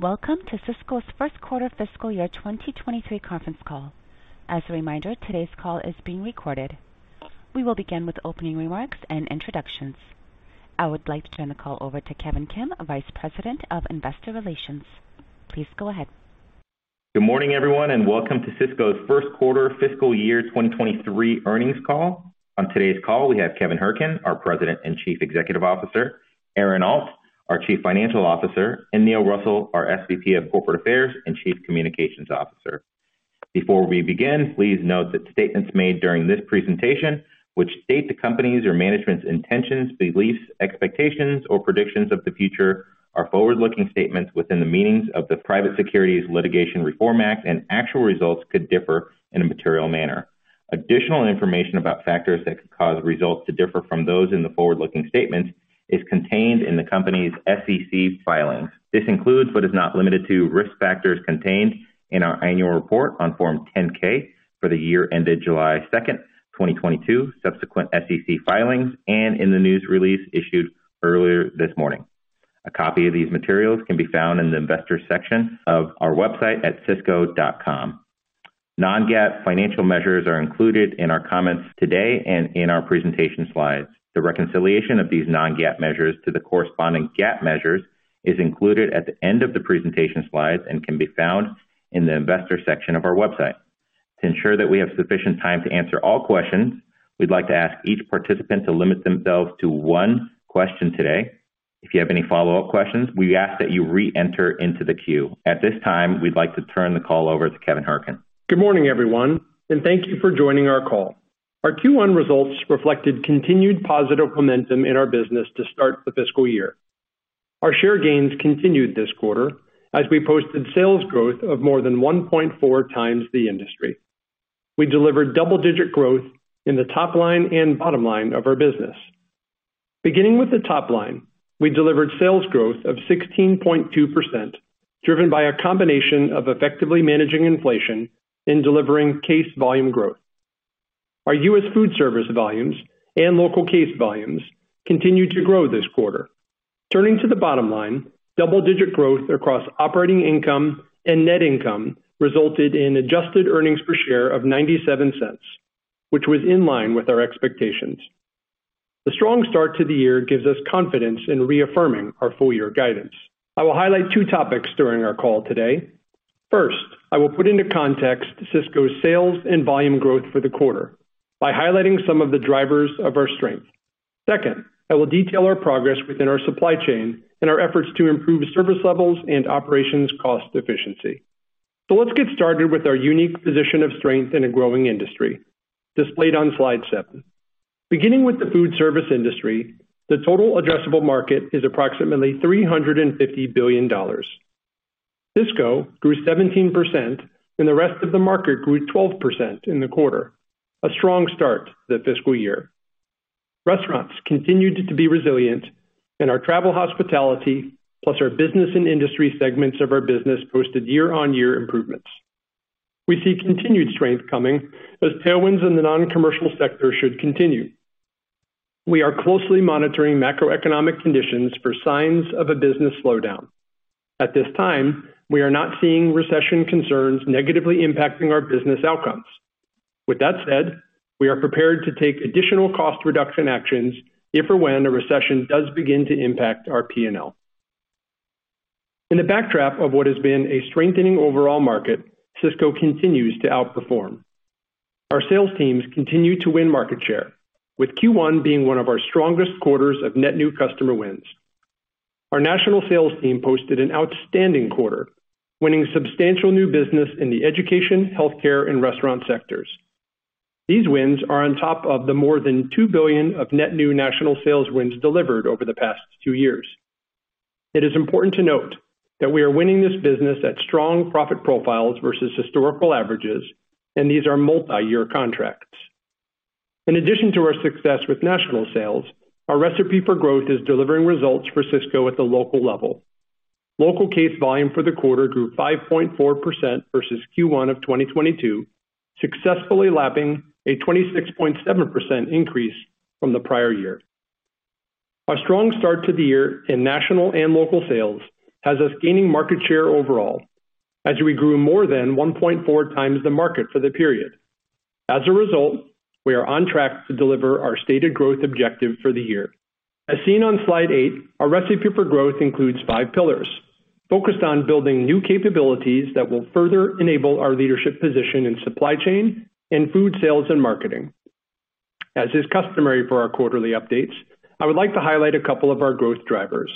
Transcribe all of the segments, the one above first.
Welcome to Sysco's Q1 Fiscal Year 2023 Conference Call. As a reminder, today's call is being recorded. We will begin with opening remarks and introductions. I would like to turn the call over to Kevin Kim, Vice President of Investor Relations. Please go ahead. Good morning, everyone, and welcome to Sysco's first quarter fiscal year 2023 earnings call. On today's call, we have Kevin Hourican, our President and Chief Executive Officer, Aaron Alt, our Chief Financial Officer, and Neil Russell, our SVP of Corporate Affairs and Chief Communications Officer. Before we begin, please note that statements made during this presentation, which state the company's or management's intentions, beliefs, expectations, or predictions of the future, are forward-looking statements within the meanings of the Private Securities Litigation Reform Act, and actual results could differ in a material manner. Additional information about factors that could cause results to differ from those in the forward-looking statements is contained in the company's SEC filings. This includes, but is not limited to, risk factors contained in our annual report on Form 10-K for the year ended 2 July 2022, subsequent SEC filings, and in the news release issued earlier this morning. A copy of these materials can be found in the Investors section of our website at sysco.com. Non-GAAP financial measures are included in our comments today and in our presentation slides. The reconciliation of these non-GAAP measures to the corresponding GAAP measures is included at the end of the presentation slides and can be found in the Investor section of our website. To ensure that we have sufficient time to answer all questions, we'd like to ask each participant to limit themselves to one question today. If you have any follow-up questions, we ask that you re-enter into the queue. At this time, we'd like to turn the call over to Kevin Hourican. Good morning, everyone, and thank you for joining our call. Our Q1 results reflected continued positive momentum in our business to start the fiscal year. Our share gains continued this quarter as we posted sales growth of more than 1.4x the industry. We delivered double-digit growth in the top line and bottom line of our business. Beginning with the top line, we delivered sales growth of 16.2%, driven by a combination of effectively managing inflation and delivering case volume growth. Our U.S. food service volumes and local case volumes continued to grow this quarter. Turning to the bottom line, double-digit growth across operating income and net income resulted in adjusted earnings per share of $0.97, which was in line with our expectations. The strong start to the year gives us confidence in reaffirming our full year guidance. I will highlight two topics during our call today. First, I will put into context Sysco's sales and volume growth for the quarter by highlighting some of the drivers of our strength. Second, I will detail our progress within our supply chain and our efforts to improve service levels and operations cost efficiency. Let's get started with our unique position of strength in a growing industry displayed on slide seven. Beginning with the food service industry, the total addressable market is approximately $350 billion. Sysco grew 17% and the rest of the market grew 12% in the quarter. A strong start to the fiscal year. Restaurants continued to be resilient, and our travel hospitality, plus our business and industry segments of our business posted year-on-year improvements. We see continued strength coming as tailwinds in the non-commercial sector should continue. We are closely monitoring macroeconomic conditions for signs of a business slowdown. At this time, we are not seeing recession concerns negatively impacting our business outcomes. With that said, we are prepared to take additional cost reduction actions if or when a recession does begin to impact our P&L. In the backdrop of what has been a strengthening overall market, Sysco continues to outperform. Our sales teams continue to win market share, with Q1 being one of our strongest quarters of net new customer wins. Our national sales team posted an outstanding quarter, winning substantial new business in the education, healthcare, and restaurant sectors. These wins are on top of the more than $2 billion of net new national sales wins delivered over the past two years. It is important to note that we are winning this business at strong profit profiles versus historical averages, and these are multi-year contracts. In addition to our success with national sales, our recipe for growth is delivering results for Sysco at the local level. Local case volume for the quarter grew 5.4% versus Q1 of 2022, successfully lapping a 26.7% increase from the prior year. Our strong start to the year in national and local sales has us gaining market share overall as we grew more than 1.4x the market for the period. As a result, we are on track to deliver our stated growth objective for the year. As seen on slide eight, our recipe for growth includes five pillars focused on building new capabilities that will further enable our leadership position in supply chain and food sales and marketing. As is customary for our quarterly updates, I would like to highlight a couple of our growth drivers.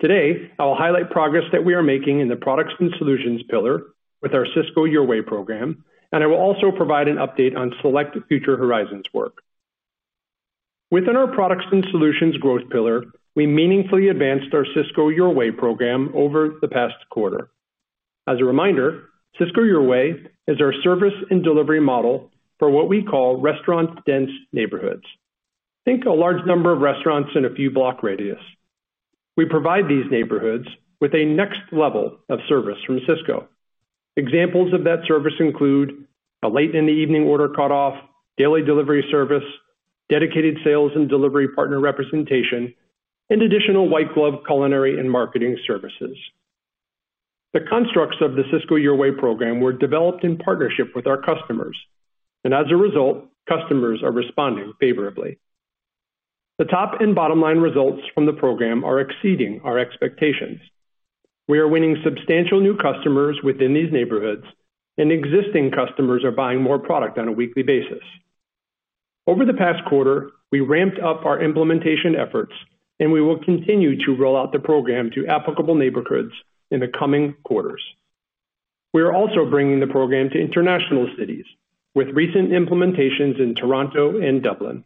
Today, I will highlight progress that we are making in the products and solutions pillar with our Sysco Your Way program, and I will also provide an update on select future horizons work. Within our products and solutions growth pillar, we meaningfully advanced our Sysco Your Way program over the past quarter. As a reminder, Sysco Your Way is our service and delivery model for what we call restaurant dense neighborhoods. Think a large number of restaurants in a few block radius. We provide these neighborhoods with a next level of service from Sysco. Examples of that service include a late in the evening order cut-off, daily delivery service, dedicated sales and delivery partner representation, and additional white glove culinary and marketing services. The constructs of the Sysco Your Way program were developed in partnership with our customers and as a result, customers are responding favorably. The top and bottom line results from the program are exceeding our expectations. We are winning substantial new customers within these neighborhoods, and existing customers are buying more product on a weekly basis. Over the past quarter, we ramped up our implementation efforts, and we will continue to roll out the program to applicable neighborhoods in the coming quarters. We are also bringing the program to international cities with recent implementations in Toronto and Dublin.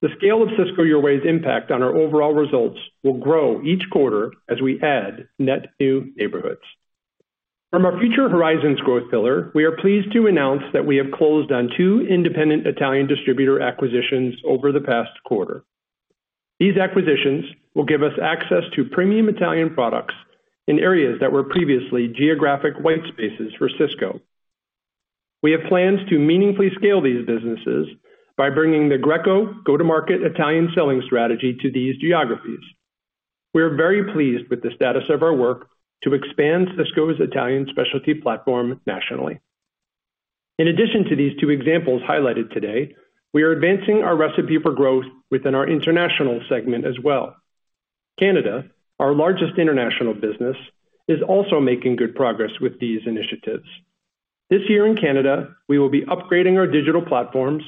The scale of Sysco Your Way's impact on our overall results will grow each quarter as we add net new neighborhoods. From our Future Horizons growth pillar, we are pleased to announce that we have closed on two independent Italian distributor acquisitions over the past quarter. These acquisitions will give us access to premium Italian products in areas that were previously geographic white spaces for Sysco. We have plans to meaningfully scale these businesses by bringing the Greco go-to-market Italian selling strategy to these geographies. We are very pleased with the status of our work to expand Sysco's Italian specialty platform nationally. In addition to these two examples highlighted today, we are advancing our Recipe for Growth within our international segment as well. Canada, our largest international business, is also making good progress with these initiatives. This year in Canada, we will be upgrading our digital platforms,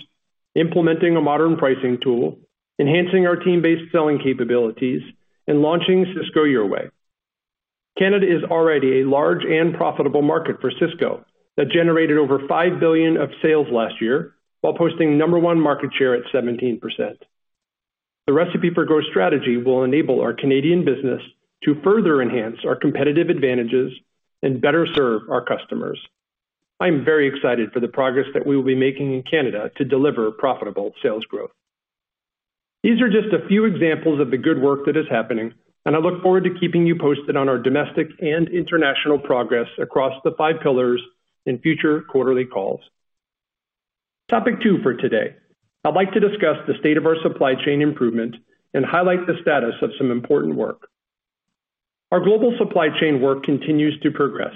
implementing a modern pricing tool, enhancing our team-based selling capabilities, and launching Sysco Your Way. Canada is already a large and profitable market for Sysco that generated over $5 billion in sales last year while posting number one market share at 17%. The Recipe for Growth strategy will enable our Canadian business to further enhance our competitive advantages and better serve our customers. I am very excited for the progress that we will be making in Canada to deliver profitable sales growth. These are just a few examples of the good work that is happening, and I look forward to keeping you posted on our domestic and international progress across the five pillars in future quarterly calls. Topic two for today, I'd like to discuss the state of our supply chain improvement and highlight the status of some important work. Our global supply chain work continues to progress.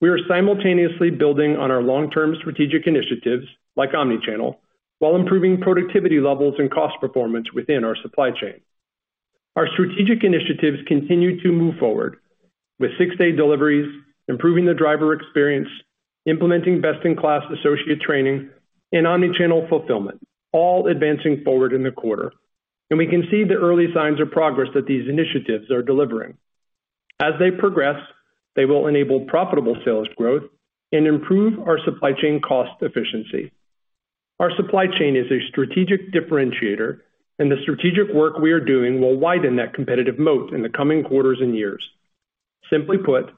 We are simultaneously building on our long-term strategic initiatives, like omnichannel, while improving productivity levels and cost performance within our supply chain. Our strategic initiatives continue to move forward with six-day deliveries, improving the driver experience, implementing best-in-class associate training, and omnichannel fulfillment, all advancing forward in the quarter. We can see the early signs of progress that these initiatives are delivering. As they progress, they will enable profitable sales growth and improve our supply chain cost efficiency. Our supply chain is a strategic differentiator, and the strategic work we are doing will widen that competitive moat in the coming quarters and years. Simply put,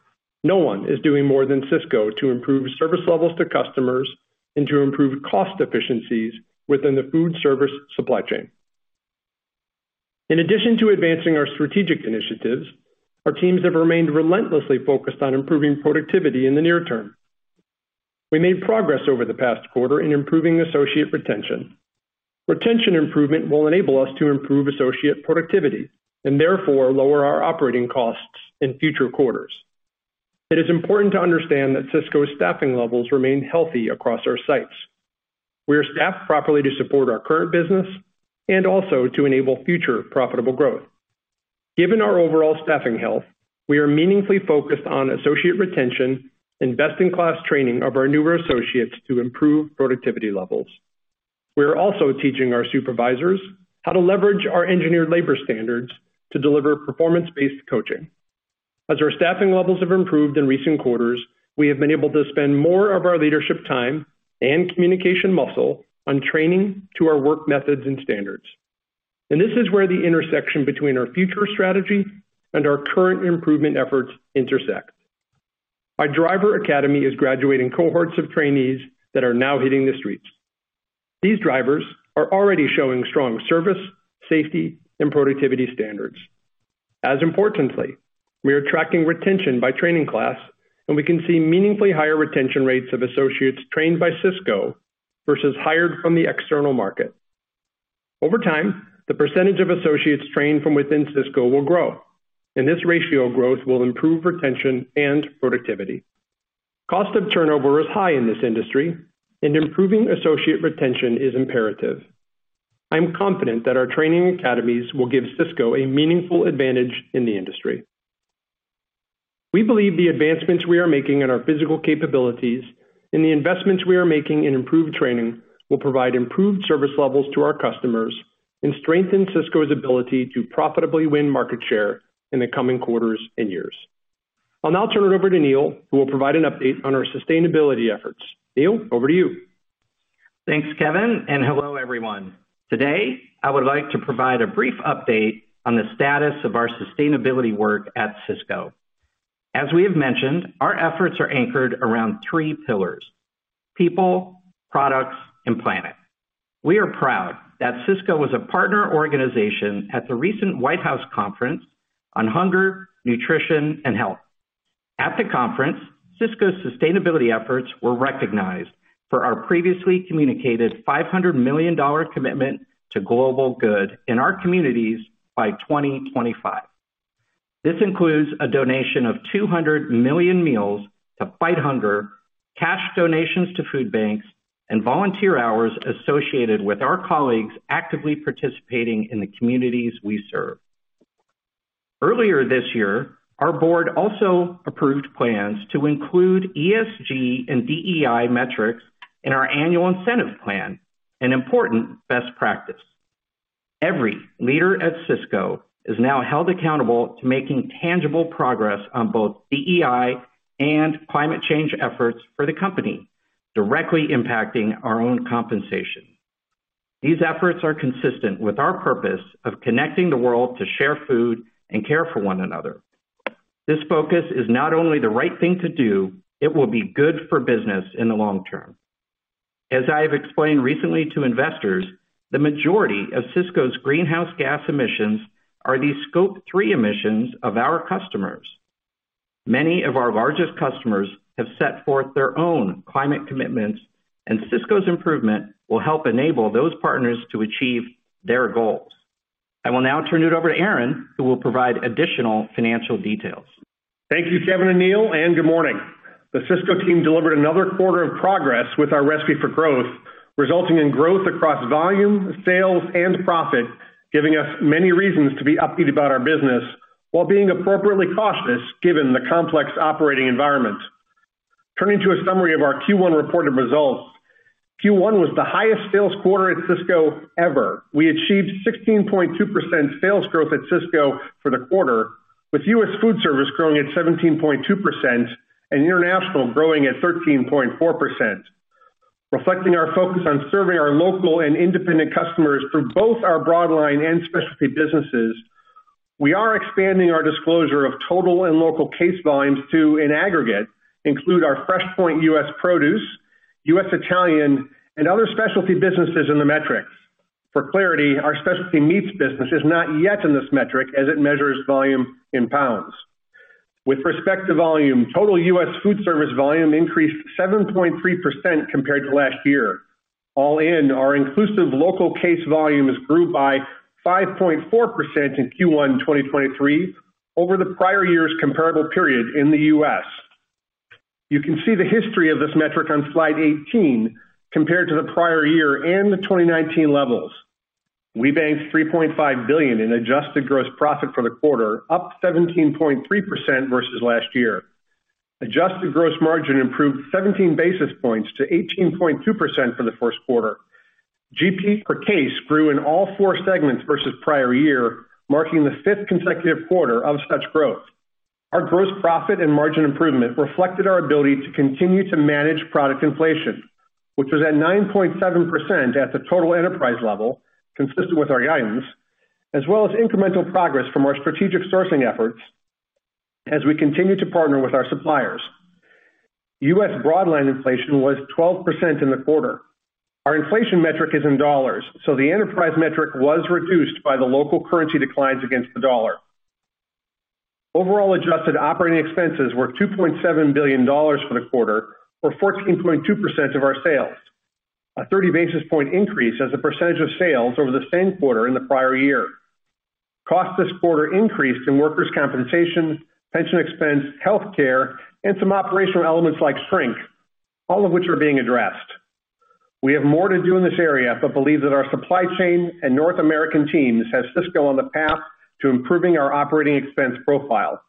no one is doing more than Sysco to improve service levels to customers and to improve cost efficiencies within the food service supply chain. In addition to advancing our strategic initiatives, our teams have remained relentlessly focused on improving productivity in the near term. We made progress over the past quarter in improving associate retention. Retention improvement will enable us to improve associate productivity and therefore lower our operating costs in future quarters. It is important to understand that Sysco's staffing levels remain healthy across our sites. We are staffed properly to support our current business and also to enable future profitable growth. Given our overall staffing health, we are meaningfully focused on associate retention and best-in-class training of our newer associates to improve productivity levels. We are also teaching our supervisors how to leverage our engineered labor standards to deliver performance-based coaching. As our staffing levels have improved in recent quarters, we have been able to spend more of our leadership time and communication muscle on training to our work methods and standards. This is where the intersection between our future strategy and our current improvement efforts intersect. Our driver academy is graduating cohorts of trainees that are now hitting the streets. These drivers are already showing strong service, safety, and productivity standards. As importantly, we are tracking retention by training class, and we can see meaningfully higher retention rates of associates trained by Sysco versus hired from the external market. Over time, the percentage of associates trained from within Sysco will grow, and this ratio growth will improve retention and productivity. Cost of turnover is high in this industry and improving associate retention is imperative. I am confident that our training academies will give Sysco a meaningful advantage in the industry. We believe the advancements we are making in our physical capabilities and the investments we are making in improved training will provide improved service levels to our customers and strengthen Sysco's ability to profitably win market share in the coming quarters and years. I'll now turn it over to Neil, who will provide an update on our sustainability efforts. Neil, over to you. Thanks, Kevin, and hello, everyone. Today, I would like to provide a brief update on the status of our sustainability work at Sysco. As we have mentioned, our efforts are anchored around three pillars. People, products, and planet. We are proud that Sysco was a partner organization at the recent White House Conference on Hunger, Nutrition, and Health. At the conference, Sysco's sustainability efforts were recognized for our previously communicated $500 million commitment to global good in our communities by 2025. This includes a donation of 200 million meals to fight hunger, cash donations to food banks, and volunteer hours associated with our colleagues actively participating in the communities we serve. Earlier this year, our board also approved plans to include ESG and DEI metrics in our annual incentive plan, an important best practice. Every leader at Sysco is now held accountable to making tangible progress on both DEI and climate change efforts for the company, directly impacting our own compensation. These efforts are consistent with our purpose of connecting the world to share food and care for one another. This focus is not only the right thing to do, it will be good for business in the long term. As I have explained recently to investors, the majority of Sysco's greenhouse gas emissions are the Scope 3 emissions of our customers. Many of our largest customers have set forth their own climate commitments, and Sysco's improvement will help enable those partners to achieve their goals. I will now turn it over to Aaron, who will provide additional financial details. Thank you, Kevin and Neil, and good morning. The Sysco team delivered another quarter of progress with our Recipe for Growth, resulting in growth across volume, sales and profit, giving us many reasons to be upbeat about our business while being appropriately cautious given the complex operating environment. Turning to a summary of our Q1 reported results. Q1 was the highest sales quarter at Sysco ever. We achieved 16.2% sales growth at Sysco for the quarter, with U.S. Foodservice growing at 17.2% and international growing at 13.4%. Reflecting our focus on serving our local and independent customers through both our broad line and specialty businesses, we are expanding our disclosure of total and local case volumes to, in aggregate, include our FreshPoint U.S. Produce, U.S.-Italian, and other specialty businesses in the metrics. For clarity, our specialty meats business is not yet in this metric as it measures volume in pounds. With respect to volume, total U.S. foodservice volume increased 7.3% compared to last year. All in, our inclusive local case volumes grew by 5.4% in Q1 2023 over the prior year's comparable period in the U.S. You can see the history of this metric on slide 18 compared to the prior year and the 2019 levels. We banked $3.5 billion in adjusted gross profit for the quarter, up 17.3% versus last year. Adjusted gross margin improved 17 basis points to 18.2% for the Q1. GP per case grew in all four segments versus prior year, marking the fifth consecutive quarter of such growth. Our gross profit and margin improvement reflected our ability to continue to manage product inflation, which was at 9.7% at the total enterprise level, consistent with our guidance, as well as incremental progress from our strategic sourcing efforts as we continue to partner with our suppliers. U.S. broadline inflation was 12% in the quarter. Our inflation metric is in dollars, so the enterprise metric was reduced by the local currency declines against the dollar. Overall adjusted operating expenses were $2.7 billion for the quarter, or 14.2% of our sales. A 30 basis point increase as a percentage of sales over the same quarter in the prior year. Costs this quarter increased in workers' compensation, pension expense, health care, and some operational elements like shrink, all of which are being addressed. We have more to do in this area, but believe that our supply chain and North American teams have Sysco on the path to improving our operating expense profile.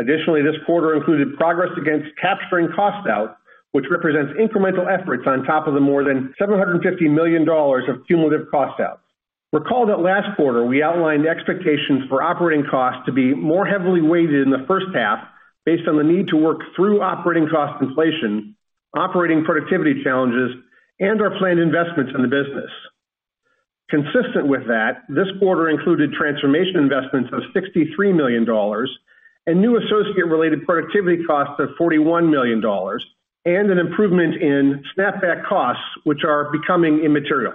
Additionally, this quarter included progress against capturing cost out, which represents incremental efforts on top of the more than $750 million of cumulative cost out. Recall that last quarter, we outlined expectations for operating costs to be more heavily weighted in the first half based on the need to work through operating cost inflation, operating productivity challenges, and our planned investments in the business. Consistent with that, this quarter included transformation investments of $63 million and new associate related productivity costs of $41 million, and an improvement in snapback costs, which are becoming immaterial.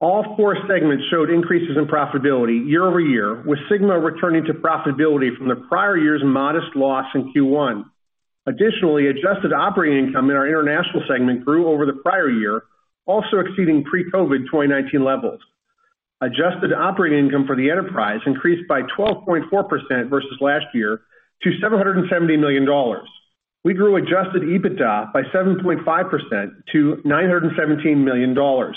All four segments showed increases in profitability year-over-year, with SYGMA returning to profitability from the prior year's modest loss in Q1. Additionally, adjusted operating income in our international segment grew over the prior year, also exceeding pre-COVID 2019 levels. Adjusted operating income for the enterprise increased by 12.4% versus last year to $770 million. We grew adjusted EBITDA by 7.5% to $917 million.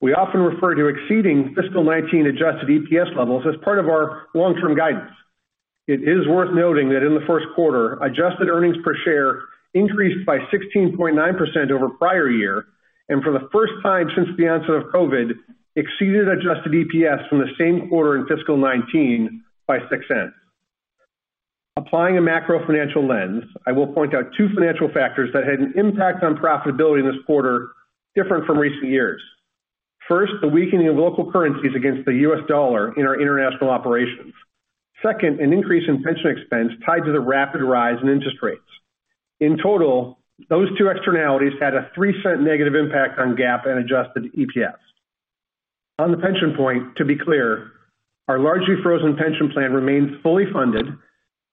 We often refer to exceeding fiscal 2019 adjusted EPS levels as part of our long-term guidance. It is worth noting that in the Q1, adjusted earnings per share increased by 16.9% over prior year and for the first time since the onset of COVID, exceeded adjusted EPS from the same quarter in fiscal 2019 by $0.06. Applying a macro financial lens, I will point out two financial factors that had an impact on profitability this quarter, different from recent years. First, the weakening of local currencies against the U.S. dollar in our international operations. Second, an increase in pension expense tied to the rapid rise in interest rates. In total, those two externalities had a $0.03 negative impact on GAAP and adjusted EPS. On the pension point, to be clear, our largely frozen pension plan remains fully funded,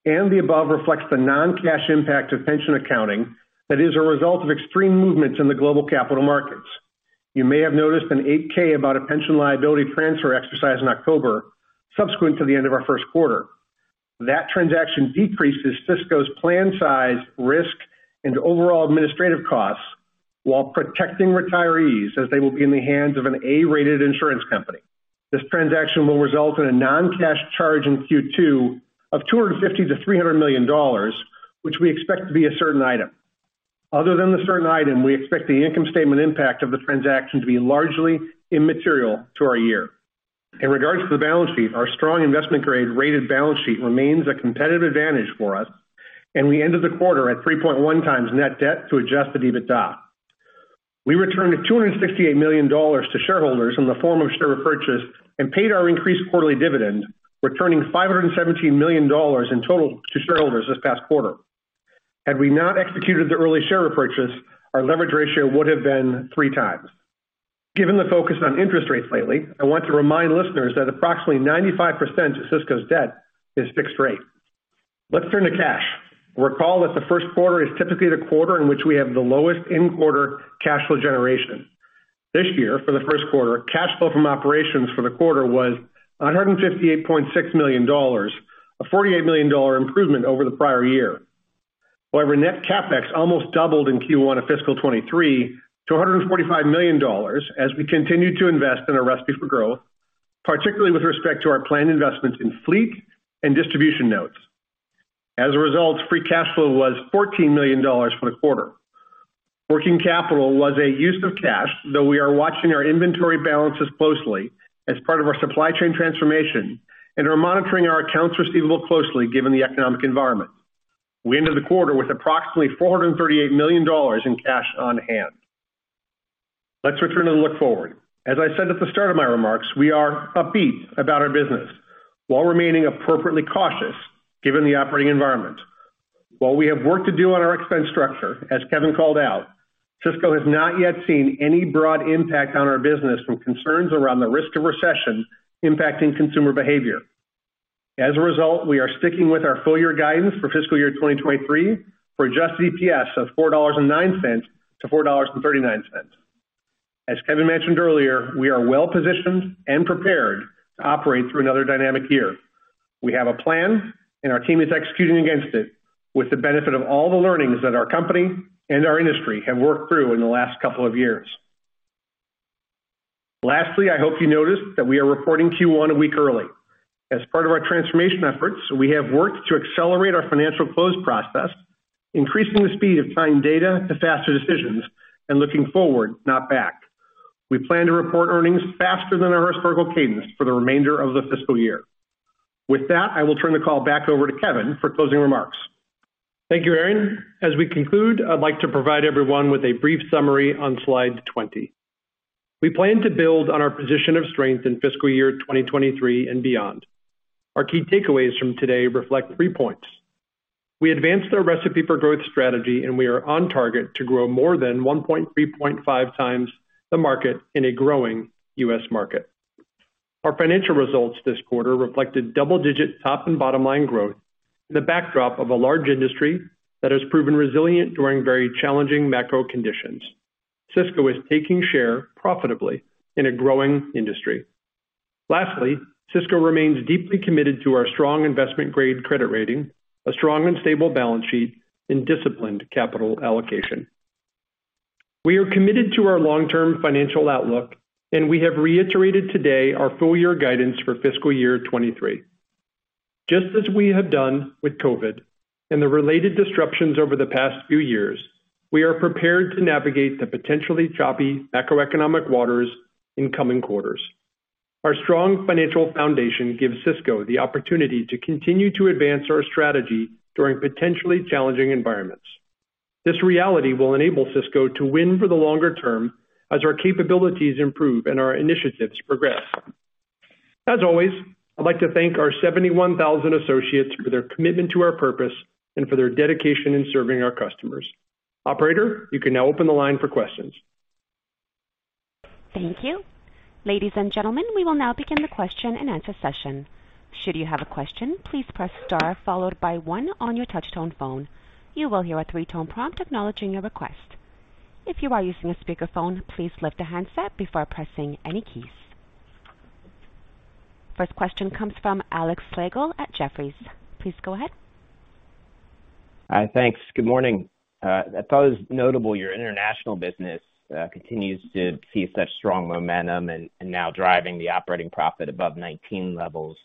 and the above reflects the non-cash impact of pension accounting that is a result of extreme movements in the global capital markets. You may have noticed an 8-K about a pension liability transfer exercise in October subsequent to the end of our Q1. That transaction decreases Sysco's plan size, risk, and overall administrative costs while protecting retirees as they will be in the hands of an A-rated insurance company. This transaction will result in a non-cash charge in Q2 of $250 million-$300 million, which we expect to be a certain item. Other than the certain item, we expect the income statement impact of the transaction to be largely immaterial to our year. In regards to the balance sheet, our strong investment grade rated balance sheet remains a competitive advantage for us, and we ended the quarter at 3.1x net debt to adjusted EBITDA. We returned $268 million to shareholders in the form of share repurchase and paid our increased quarterly dividend, returning $517 million in total to shareholders this past quarter. Had we not executed the early share repurchase, our leverage ratio would have been 3x. Given the focus on interest rates lately, I want to remind listeners that approximately 95% of Sysco's debt is fixed rate. Let's turn to cash. Recall that the Q1 is typically the quarter in which we have the lowest in quarter cash flow generation. This year, for the Q1, cash flow from operations for the quarter was $158.6 million, a $48 million improvement over the prior year. However, net CapEx almost doubled in Q1 of fiscal 2023 to $145 million as we continued to invest in a recipe for growth, particularly with respect to our planned investments in fleet and distribution nodes. As a result, free cash flow was $14 million for the quarter. Working capital was a use of cash, though we are watching our inventory balances closely as part of our supply chain transformation and are monitoring our accounts receivable closely given the economic environment. We ended the quarter with approximately $438 million in cash on hand. Let's return to the look forward. As I said at the start of my remarks, we are upbeat about our business while remaining appropriately cautious given the operating environment. While we have work to do on our expense structure, as Kevin called out, Sysco has not yet seen any broad impact on our business from concerns around the risk of recession impacting consumer behavior. As a result, we are sticking with our full year guidance for fiscal year 2023 for adjusted EPS of $4.09-$4.39. As Kevin mentioned earlier, we are well positioned and prepared to operate through another dynamic year. We have a plan and our team is executing against it with the benefit of all the learnings that our company and our industry have worked through in the last couple of years. Lastly, I hope you noticed that we are reporting Q1 a week early. As part of our transformation efforts, we have worked to accelerate our financial close process, increasing the speed of tying data to faster decisions and looking forward, not back. We plan to report earnings faster than our historical cadence for the remainder of the fiscal year. With that, I will turn the call back over to Kevin for closing remarks. Thank you, Aaron. As we conclude, I'd like to provide everyone with a brief summary on slide 20. We plan to build on our position of strength in fiscal year 2023 and beyond. Our key takeaways from today reflect three points. We advanced our Recipe for Growth strategy, and we are on target to grow more than 1.35x the market in a growing U.S. market. Our financial results this quarter reflected double-digit top and bottom line growth in the backdrop of a large industry that has proven resilient during very challenging macro conditions. Sysco is taking share profitably in a growing industry. Lastly, Sysco remains deeply committed to our strong investment-grade credit rating, a strong and stable balance sheet, and disciplined capital allocation. We are committed to our long-term financial outlook, and we have reiterated today our full year guidance for fiscal year 2023. Just as we have done with COVID and the related disruptions over the past few years, we are prepared to navigate the potentially choppy macroeconomic waters in coming quarters. Our strong financial foundation gives Sysco the opportunity to continue to advance our strategy during potentially challenging environments. This reality will enable Sysco to win for the longer term as our capabilities improve and our initiatives progress. As always, I'd like to thank our 71,000 associates for their commitment to our purpose and for their dedication in serving our customers. Operator, you can now open the line for questions. Thank you. Ladies and gentlemen, we will now begin the question and answer session. Should you have a question, please press star followed by one on your touch tone phone. You will hear a three-tone prompt acknowledging your request. If you are using a speakerphone, please lift the handset before pressing any keys. First question comes from Alex Slagle at Jefferies. Please go ahead. Thanks. Good morning. I thought it was notable your international business continues to see such strong momentum and now driving the operating profit above 19 levels.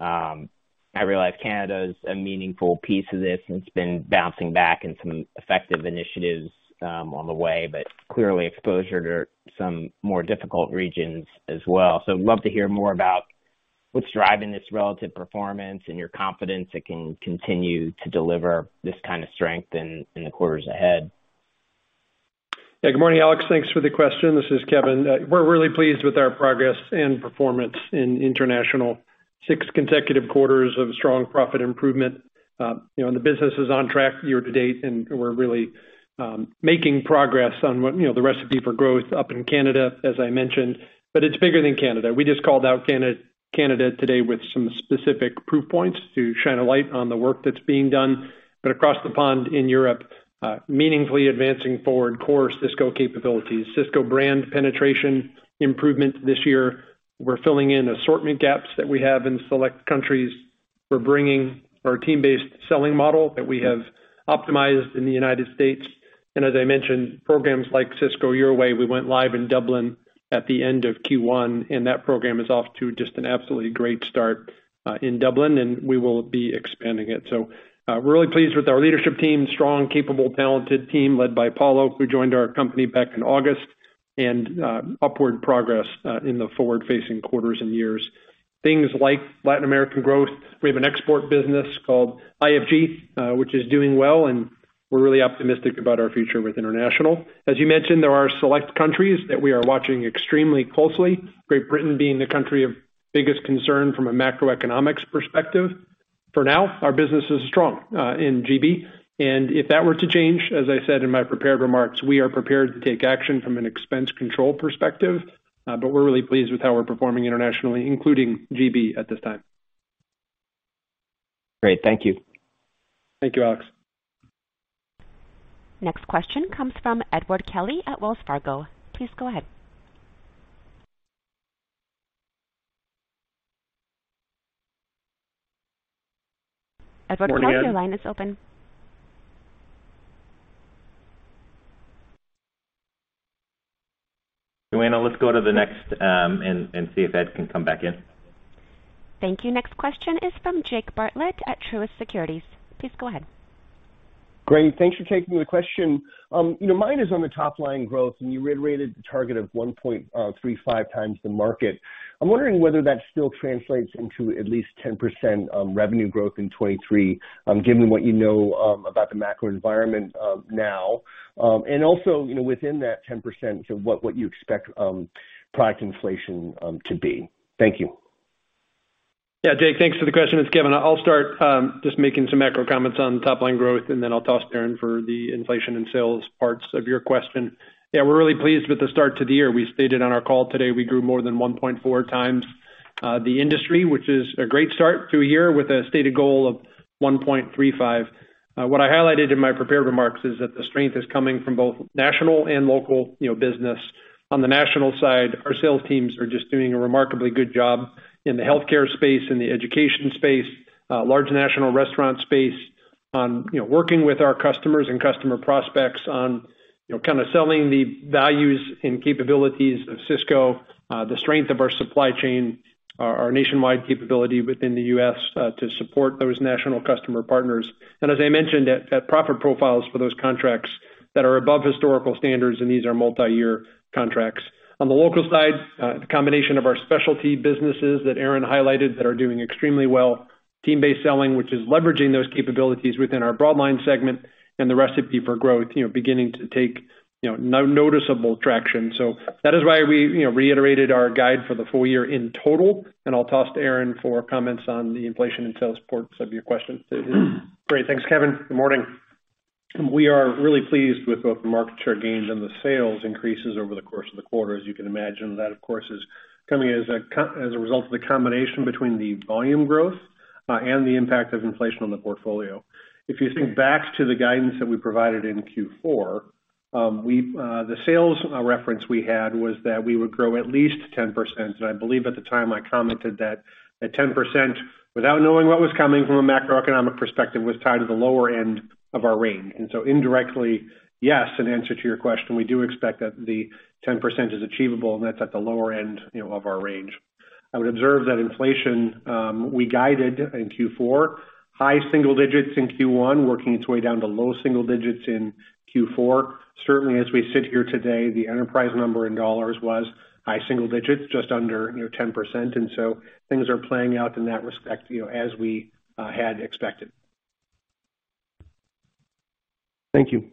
I realize Canada is a meaningful piece of this, and it's been bouncing back and some effective initiatives on the way, but clearly exposure to some more difficult regions as well. Love to hear more about what's driving this relative performance and your confidence it can continue to deliver this kind of strength in the quarters ahead? Yeah. Good morning, Alex. Thanks for the question. This is Kevin. We're really pleased with our progress and performance in international. Six consecutive quarters of strong profit improvement. The business is on track year to date, and we're really making progress on what, you know, the Recipe for Growth up in Canada, as I mentioned, but it's bigger than Canada. We just called out Canada today with some specific proof points to shine a light on the work that's being done. Across the pond in Europe, meaningfully advancing forward core Sysco capabilities. Sysco Brand penetration improvement this year. We're filling in assortment gaps that we have in select countries. We're bringing our team-based selling model that we have optimized in the United States. As I mentioned, programs like Sysco Your Way, we went live in Dublin at the end of Q1, and that program is off to just an absolutely great start in Dublin, and we will be expanding it. Really pleased with our leadership team. Strong, capable, talented team led by Paulo Peereboom, who joined our company back in August, and upward progress in the forward-facing quarters and years. Things like Latin American growth. We have an export business called IFG, which is doing well, and we're really optimistic about our future with international. As you mentioned, there are select countries that we are watching extremely closely. Great Britain being the country of biggest concern from a macroeconomics perspective. For now, our business is strong in G.B., and if that were to change, as I said in my prepared remarks, we are prepared to take action from an expense control perspective. We're really pleased with how we're performing internationally, including G.B. at this time. Great. Thank you. Thank you, Alex. Next question comes from Edward Kelly at Wells Fargo. Please go ahead. Edward Kelly. Morning, Ed. Your line is open. Joanna, let's go to the next, and see if Ed can come back in. Thank you. Next question is from Jake Bartlett at Truist Securities. Please go ahead. Great. Thanks for taking the question. You know, mine is on the top line growth, and you reiterated the target of 1.35x the market. I'm wondering whether that still translates into at least 10% revenue growth in 2023, given what you know about the macro environment now. Also, you know, within that 10% of what you expect product inflation to be. Thank you. Yeah. Jake, thanks for the question. It's Kevin. I'll start just making some macro comments on top line growth, and then I'll toss to Aaron for the inflation and sales parts of your question. Yeah. We're really pleased with the start to the year. We stated on our call today we grew more than 1.4x the industry, which is a great start to a year with a stated goal of 1.35x. What I highlighted in my prepared remarks is that the strength is coming from both national and local, you know, business. On the national side, our sales teams are just doing a remarkably good job in the healthcare space, in the education space, large national restaurant space on working with our customers and customer prospects on kind of selling the values and capabilities of Sysco, the strength of our supply chain, our nationwide capability within the U.S., to support those national customer partners. As I mentioned at profit profiles for those contracts that are above historical standards, and these are multi-year contracts. On the local side, the combination of our specialty businesses that Aaron highlighted that are doing extremely well, team-based selling, which is leveraging those capabilities within our broadline segment and the recipe for growth beginning to take noticeable traction. That is why we, you know, reiterated our guide for the full year in total, and I'll toss to Aaron for comments on the inflation and sales portions of your question. Great. Thanks, Kevin. Good morning. We are really pleased with both the market share gains and the sales increases over the course of the quarter. As you can imagine, that, of course, is coming as a result of the combination between the volume growth and the impact of inflation on the portfolio. If you think back to the guidance that we provided in Q4, the sales reference we had was that we would grow at least 10%. I believe at the time, I commented that 10%, without knowing what was coming from a macroeconomic perspective, was tied to the lower end of our range. Indirectly, yes, in answer to your question, we do expect that the 10% is achievable, and that's at the lower end, you know, of our range. I would observe that inflation we guided in Q4 high single digits in Q1, working its way down to low single digits in Q4. Certainly, as we sit here today, the enterprise number in dollars was high single digits, just under 10%. Things are playing out in that respect, you know, as we had expected. Thank you.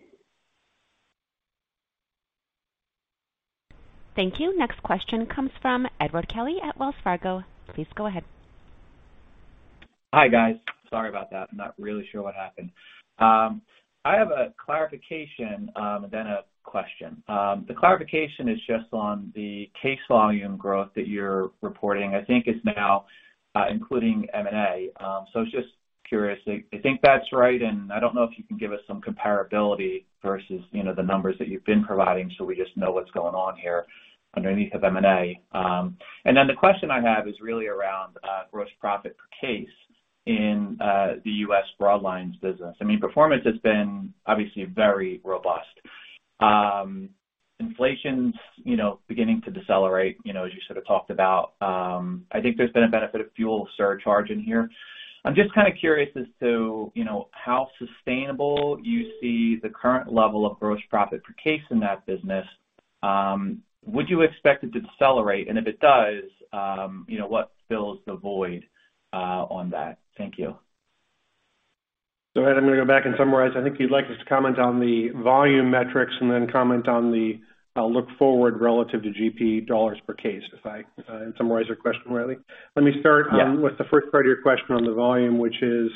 Thank you. Next question comes from Edward Kelly at Wells Fargo. Please go ahead. Hi, guys. Sorry about that. I'm not really sure what happened. I have a clarification, then a question. The clarification is just on the case volume growth that you're reporting. I think it's now including M&A. It's just curious. I think that's right, and I don't know if you can give us some comparability versus, you know, the numbers that you've been providing, so we just know what's going on here underneath of M&A. Then the question I have is really around gross profit per case in the U.S. broadlines business. I mean, performance has been obviously very robust. Inflation's, you know, beginning to decelerate, you know, as you sort of talked about. I think there's been a benefit of fuel surcharge in here. I'm just kinda curious as to, you know, how sustainable you see the current level of gross profit per case in that business? Would you expect it to accelerate? If it does, you know, what fills the void, on that? Thank you. Go ahead. I'm gonna go back and summarize. I think you'd like us to comment on the volume metrics and then comment on the look forward relative to GP dollars per case, if I summarize your question rightly. Let me start. Yeah. With the first part of your question on the volume, which is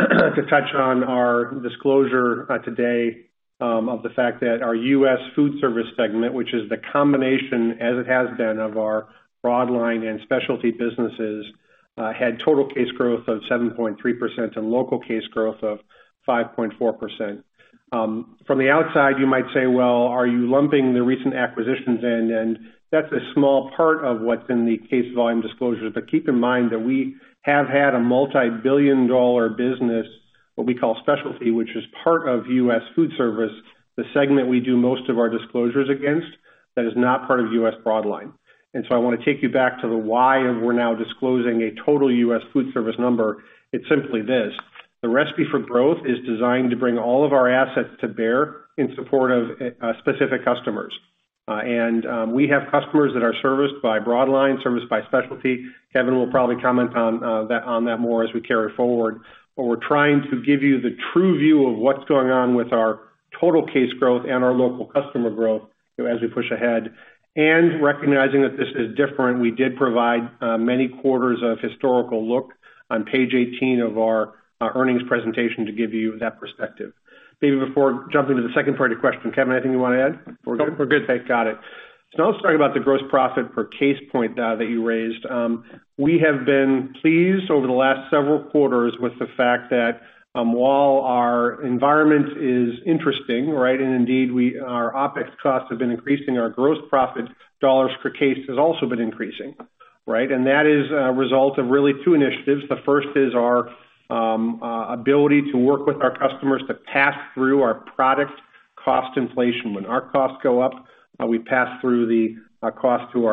to touch on our disclosure today of the fact that our U.S. foodservice segment, which is the combination as it has been of our broadline and specialty businesses, had total case growth of 7.3% and local case growth of 5.4%. From the outside, you might say, "Well, are you lumping the recent acquisitions in?" That's a small part of what's in the case volume disclosure. Keep in mind that we have had a multibillion-dollar business, what we call specialty, which is part of U.S. foodservice, the segment we do most of our disclosures against, that is not part of U.S. broadline. I wanna take you back to the why of we're now disclosing a total U.S. foodservice number. It's simply this, the recipe for growth is designed to bring all of our assets to bear in support of specific customers. We have customers that are serviced by broadline, serviced by specialty. Kevin will probably comment on that more as we carry forward. We're trying to give you the true view of what's going on with our total case growth and our local customer growth as we push ahead. Recognizing that this is different, we did provide many quarters of historical look on page 18 of our earnings presentation to give you that perspective. Maybe before jumping to the second part of your question, Kevin, anything you wanna add? No, we're good. Got it. Now let's talk about the gross profit per case point that you raised. We have been pleased over the last several quarters with the fact that, while our environment is interesting, right? Indeed our OpEx costs have been increasing, our gross profit dollars per case has also been increasing, right? That is a result of really two initiatives. The first is our ability to work with our customers to pass through our product cost inflation. When our costs go up, we pass through the cost to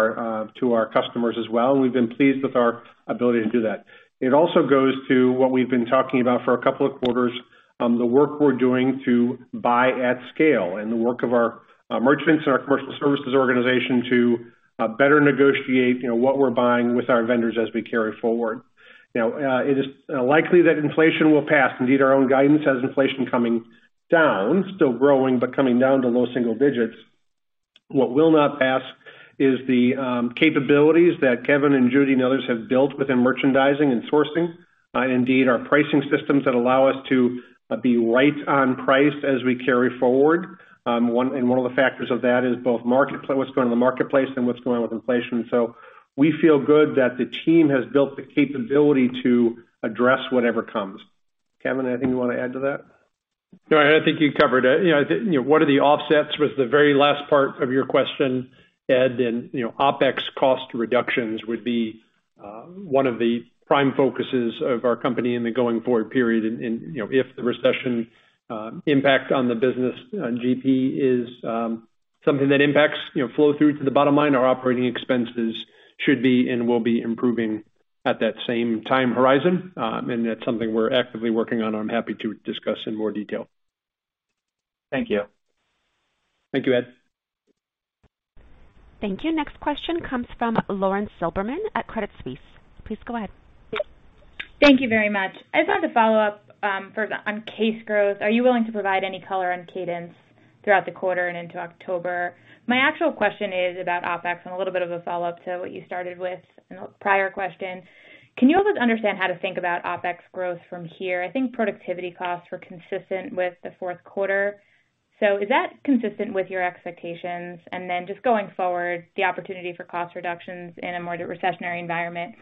our customers as well. We've been pleased with our ability to do that. It also goes to what we've been talking about for a couple of quarters, the work we're doing to buy at scale and the work of our merchants and our commercial services organization to better negotiate, you know, what we're buying with our vendors as we carry forward. Now, it is likely that inflation will pass. Indeed, our own guidance has inflation coming down, still growing, but coming down to low single digits. What will not pass is the capabilities that Kevin and Judy and others have built within merchandising and sourcing. Indeed, our pricing systems that allow us to be right on price as we carry forward. One of the factors of that is both what's going on in the marketplace and what's going on with inflation. We feel good that the team has built the capability to address whatever comes. Kevin, anything you wanna add to that? No, I think you covered it. You know, the you know what are the offsets was the very last part of your question, Ed. You know, OpEx cost reductions would be one of the prime focuses of our company in the going forward period. You know, if the recession impact on the business, on GP is something that impacts, you know, flow through to the bottom line, our operating expenses should be and will be improving at that same time horizon. That's something we're actively working on, I'm happy to discuss in more detail. Thank you. Thank you, Ed. Thank you. Next question comes from Lauren Silberman at Credit Suisse. Please go ahead. Thank you very much. I just like to follow up, first on case growth. Are you willing to provide any color on cadence throughout the quarter and into October? My actual question is about OpEx and a little bit of a follow-up to what you started with in the prior question. Can you help us understand how to think about OpEx growth from here? I think productivity costs were consistent with the Q4. So is that consistent with your expectations? Just going forward, the opportunity for cost reductions in a more recessionary environment.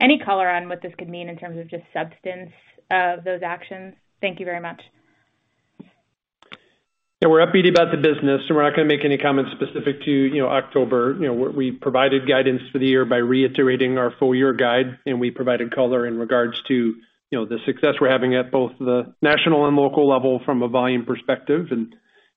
Any color on what this could mean in terms of just substance of those actions? Thank you very much. Yeah, we're upbeat about the business, and we're not gonna make any comments specific to, you know, October. You know, we provided guidance for the year by reiterating our full year guide, and we provided color in regards to, you know, the success we're having at both the national and local level from a volume perspective. You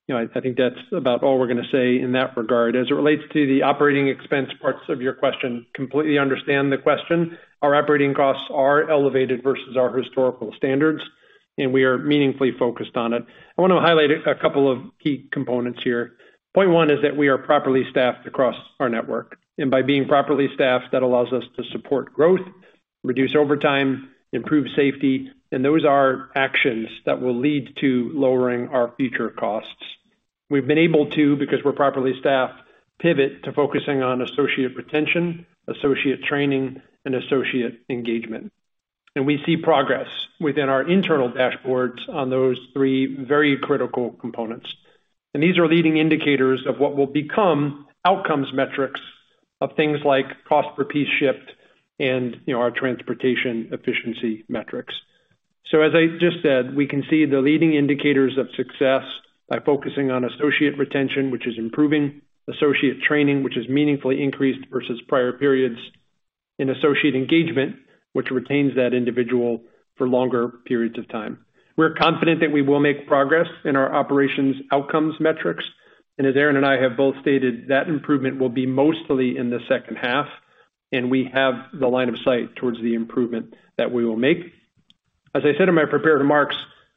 know, I think that's about all we're gonna say in that regard. As it relates to the operating expense parts of your question, completely understand the question. Our operating costs are elevated versus our historical standards, and we are meaningfully focused on it. I wanna highlight a couple of key components here. Point one is that we are properly staffed across our network. By being properly staffed, that allows us to support growth, reduce overtime, improve safety, and those are actions that will lead to lowering our future costs. We've been able to, because we're properly staffed, pivot to focusing on associate retention, associate training, and associate engagement. We see progress within our internal dashboards on those three very critical components. These are leading indicators of what will become outcomes metrics of things like cost per piece shift and, you know, our transportation efficiency metrics. As I just said, we can see the leading indicators of success by focusing on associate retention, which is improving, associate training, which is meaningfully increased versus prior periods, and associate engagement, which retains that individual for longer periods of time. We're confident that we will make progress in our operations outcomes metrics. As Aaron and I have both stated, that improvement will be mostly in the second half, and we have the line of sight towards the improvement that we will make. As I said in my prepared remarks,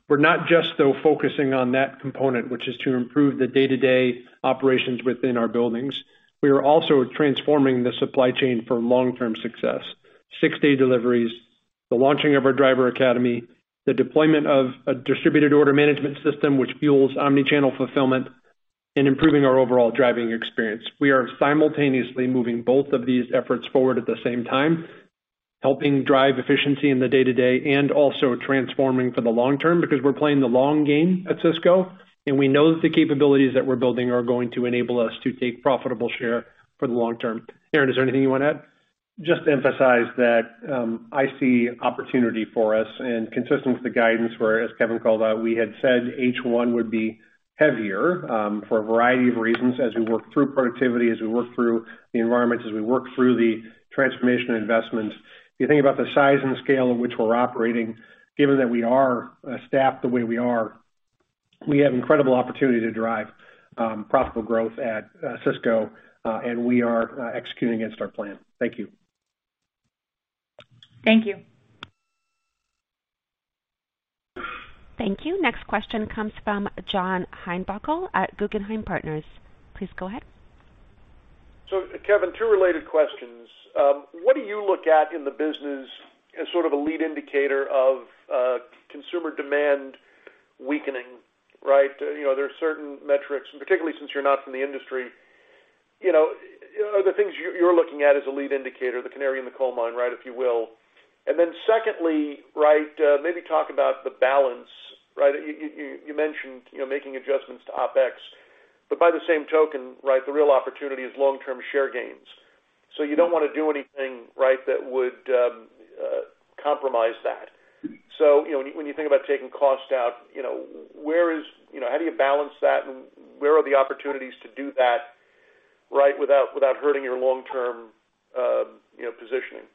we're not just though focusing on that component, which is to improve the day-to-day operations within our buildings. We are also transforming the supply chain for long-term success. Six-day deliveries, the launching of our driver academy, the deployment of a distributed order management system which fuels omni-channel fulfillment, and improving our overall driving experience. We are simultaneously moving both of these efforts forward at the same time, helping drive efficiency in the day-to-day and also transforming for the long term because we're playing the long game at Sysco, and we know that the capabilities that we're building are going to enable us to take profitable share for the long term. Aaron, is there anything you want to add? Just to emphasize that, I see opportunity for us and consistent with the guidance, where, as Kevin called out, we had said H1 would be heavier, for a variety of reasons as we work through productivity, as we work through the environments, as we work through the transformation investments. If you think about the size and scale in which we're operating, given that we are staffed the way we are, we have incredible opportunity to drive profitable growth at Sysco, and we are executing against our plan. Thank you. Thank you. Thank you. Next question comes from John Heinbockel at Guggenheim Partners. Please go ahead. Kevin, two related questions. What do you look at in the business as sort of a lead indicator of consumer demand weakening, right? You know, there are certain metrics, and particularly since you're not from the industry, you know, are the things you're looking at as a lead indicator, the canary in the coal mine, right, if you will. Secondly, right, maybe talk about the balance, right? You mentioned, you know, making adjustments to OpEx, but by the same token, right, the real opportunity is long-term share gains. You don't want to do anything, right, that would compromise that. You know, when you think about taking cost out, you know, where is... You know, how do you balance that and where are the opportunities to do that, right, without hurting your long-term, you know, positioning?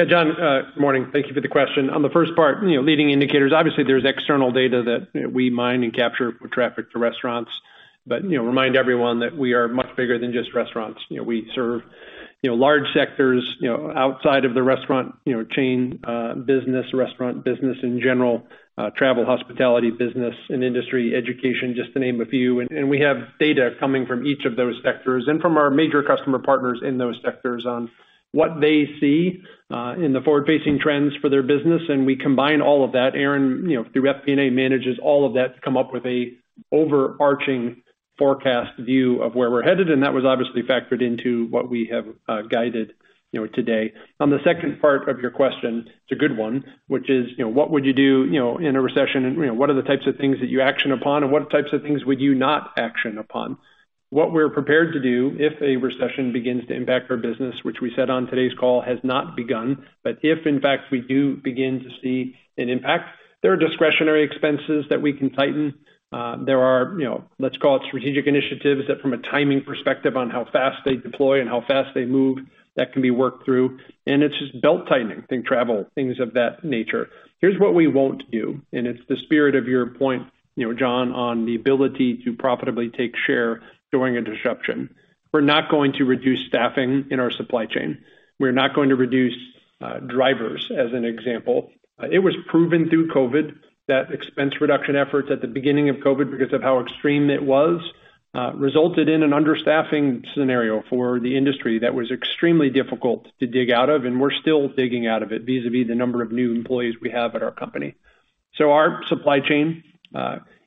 Yeah, John, good morning. Thank you for the question. On the first part, you know, leading indicators, obviously there's external data that we mine and capture for traffic to restaurants. But, you know, remind everyone that we are much bigger than just restaurants. You know, we serve, you know, large sectors, you know, outside of the restaurant, you know, chain business, restaurant business in general, travel, hospitality business and industry, education, just to name a few. We have data coming from each of those sectors and from our major customer partners in those sectors on what they see in the forward-facing trends for their business, and we combine all of that. Aaron, you know, through FP&A, manages all of that to come up with an overarching forecast view of where we're headed, and that was obviously factored into what we have guided, you know, today. On the second part of your question, it's a good one, which is, you know, what would you do, you know, in a recession. You know, what are the types of things that you action upon, and what types of things would you not action upon. What we're prepared to do if a recession begins to impact our business, which we said on today's call has not begun. If in fact we do begin to see an impact, there are discretionary expenses that we can tighten. There are, you know, let's call it strategic initiatives that from a timing perspective on how fast they deploy and how fast they move, that can be worked through. It's just belt-tightening, think travel, things of that nature. Here's what we won't do, and it's the spirit of your point, you know, John, on the ability to profitably take share during a disruption. We're not going to reduce staffing in our supply chain. We're not going to reduce drivers as an example. It was proven through COVID that expense reduction efforts at the beginning of COVID, because of how extreme it was, resulted in an understaffing scenario for the industry that was extremely difficult to dig out of, and we're still digging out of it vis-à-vis the number of new employees we have at our company. Our supply chain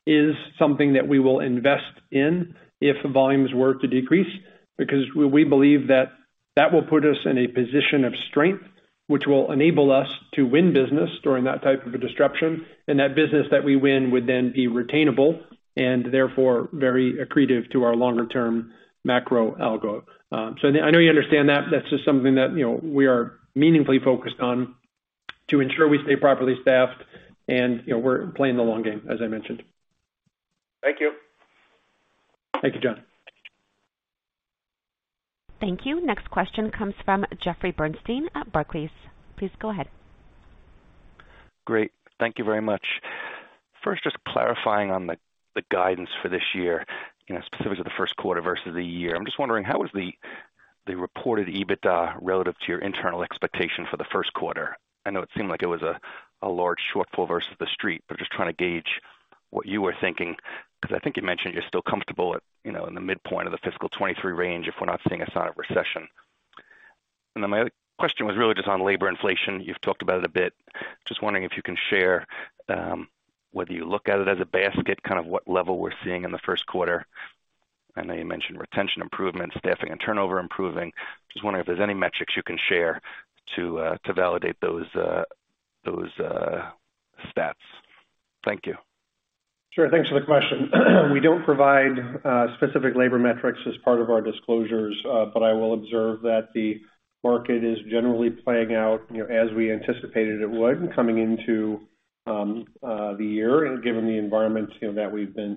is something that we will invest in if volumes were to decrease because we believe that that will put us in a position of strength, which will enable us to win business during that type of a disruption. That business that we win would then be retainable and therefore very accretive to our longer term macro algo. I know you understand that. That's just something that, you know, we are meaningfully focused on to ensure we stay properly staffed and, you know, we're playing the long game, as I mentioned. Thank you. Thank you, John. Thank you. Next question comes from Jeffrey Bernstein at Barclays. Please go ahead. Great. Thank you very much. First, just clarifying on the guidance for this year, you know, specific to the Q1 versus the year. I'm just wondering how was the reported EBITDA relative to your internal expectation for the Q1? I know it seemed like it was a large shortfall versus the street, but just trying to gauge what you were thinking because I think you mentioned you're still comfortable at, you know, in the midpoint of the fiscal 2023 range if we're not seeing a sign of recession. Then my other question was really just on labor inflation. You've talked about it a bit. Just wondering if you can share whether you look at it as a basket, kind of what level we're seeing in the Q1. I know you mentioned retention improvement, staffing and turnover improving. Just wondering if there's any metrics you can share to validate those stats. Thank you. Sure. Thanks for the question. We don't provide specific labor metrics as part of our disclosures, but I will observe that the market is generally playing out, you know, as we anticipated it would coming into the year and given the environment, you know,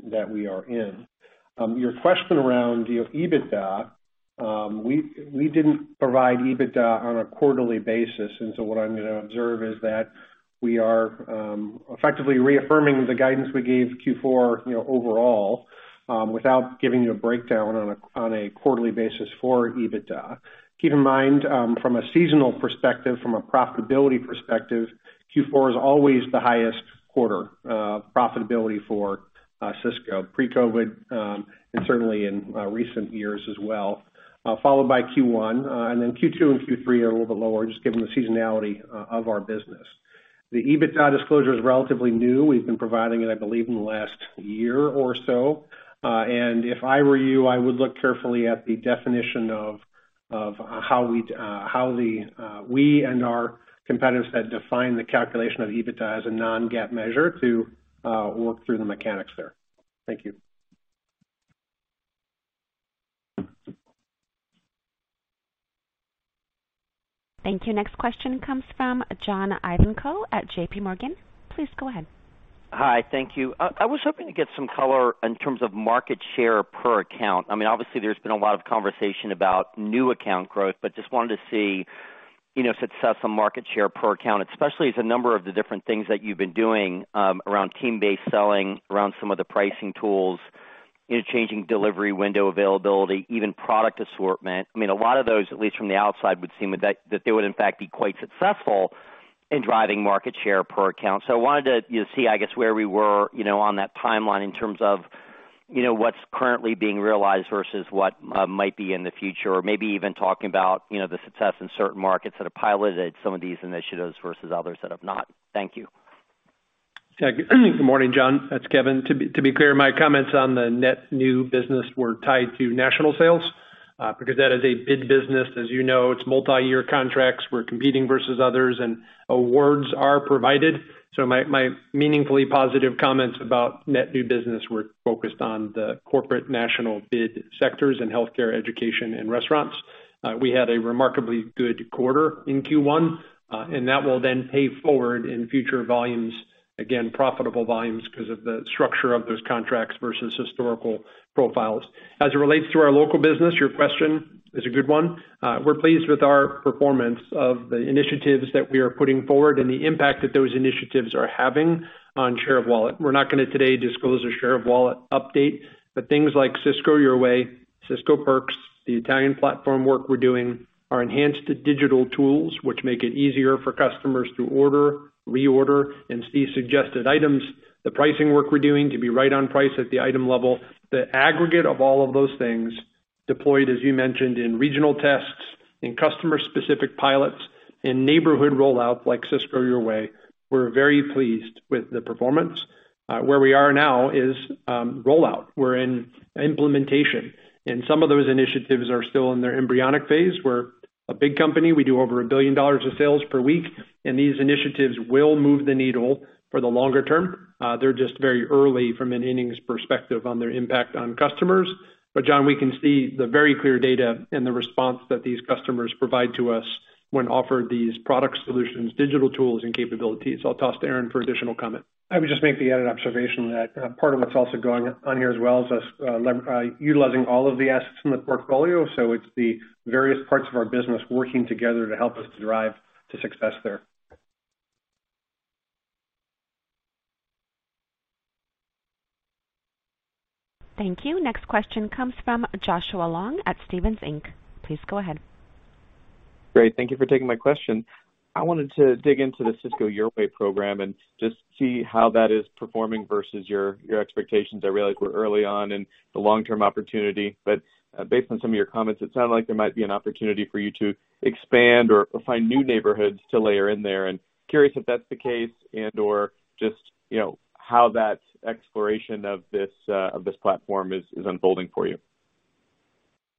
that we are in. Your question around the EBITDA, we didn't provide EBITDA on a quarterly basis, and so what I'm gonna observe is that we are effectively reaffirming the guidance we gave Q4, you know, overall, without giving you a breakdown on a quarterly basis for EBITDA. Keep in mind, from a seasonal perspective, from a profitability perspective, Q4 is always the highest quarter profitability for Sysco pre-COVID, and certainly in recent years as well, followed by Q1. Q2 and Q3 are a little bit lower, just given the seasonality of our business. The EBITDA disclosure is relatively new. We've been providing it, I believe, in the last year or so. If I were you, I would look carefully at the definition of how we and our competitors have defined the calculation of EBITDA as a non-GAAP measure to work through the mechanics there. Thank you. Thank you. Next question comes from John Ivankoe at JPMorgan. Please go ahead. Hi, thank you. I was hoping to get some color in terms of market share per account. I mean, obviously, there's been a lot of conversation about new account growth, but just wanted to see, you know, success on market share per account, especially as a number of the different things that you've been doing, around team-based selling, around some of the pricing tools, you know, changing delivery window availability, even product assortment. I mean, a lot of those, at least from the outside, would seem that they would in fact be quite successful in driving market share per account. I wanted to, you know, see, I guess, where we were, you know, on that timeline in terms of, you know, what's currently being realized versus what might be in the future or maybe even talking about, you know, the success in certain markets that have piloted some of these initiatives versus others that have not. Thank you. Yeah. Good morning, John, it's Kevin. To be clear, my comments on the net new business were tied to national sales, because that is a bid business. As you know, it's multi-year contracts. We're competing versus others and awards are provided. My meaningfully positive comments about net new business were focused on the corporate national bid sectors in healthcare, education, and restaurants. We had a remarkably good quarter in Q1, and that will then pay forward in future volumes. Again, profitable volumes 'cause of the structure of those contracts versus historical profiles. As it relates to our local business, your question is a good one. We're pleased with our performance of the initiatives that we are putting forward and the impact that those initiatives are having on share of wallet. We're not gonna today disclose a share of wallet update, but things like Sysco Your Way, Sysco Perks, the Italian platform work we're doing are enhanced digital tools which make it easier for customers to order, reorder and see suggested items. The pricing work we're doing to be right on price at the item level. The aggregate of all of those things deployed, as you mentioned, in regional tests, in customer specific pilots and neighborhood rollout like Sysco Your Way, we're very pleased with the performance. Where we are now is rollout. We're in implementation, and some of those initiatives are still in their embryonic phase. We're a big company. We do over $1 billion of sales per week, and these initiatives will move the needle for the longer term. They're just very early from an innings perspective on their impact on customers. John, we can see the very clear data and the response that these customers provide to us when offered these product solutions, digital tools and capabilities. I'll toss to Aaron for additional comment. I would just make the added observation that part of what's also going on here as well is us utilizing all of the assets in the portfolio. It's the various parts of our business working together to help us to drive to success there. Thank you. Next question comes from Joshua Long at Stephens Inc. Please go ahead. Great. Thank you for taking my question. I wanted to dig into the Sysco Your Way program and just see how that is performing versus your expectations. I realize we're early on in the long-term opportunity, but based on some of your comments, it sounded like there might be an opportunity for you to expand or find new neighborhoods to layer in there. Curious if that's the case and/or just, you know, how that exploration of this of this platform is unfolding for you.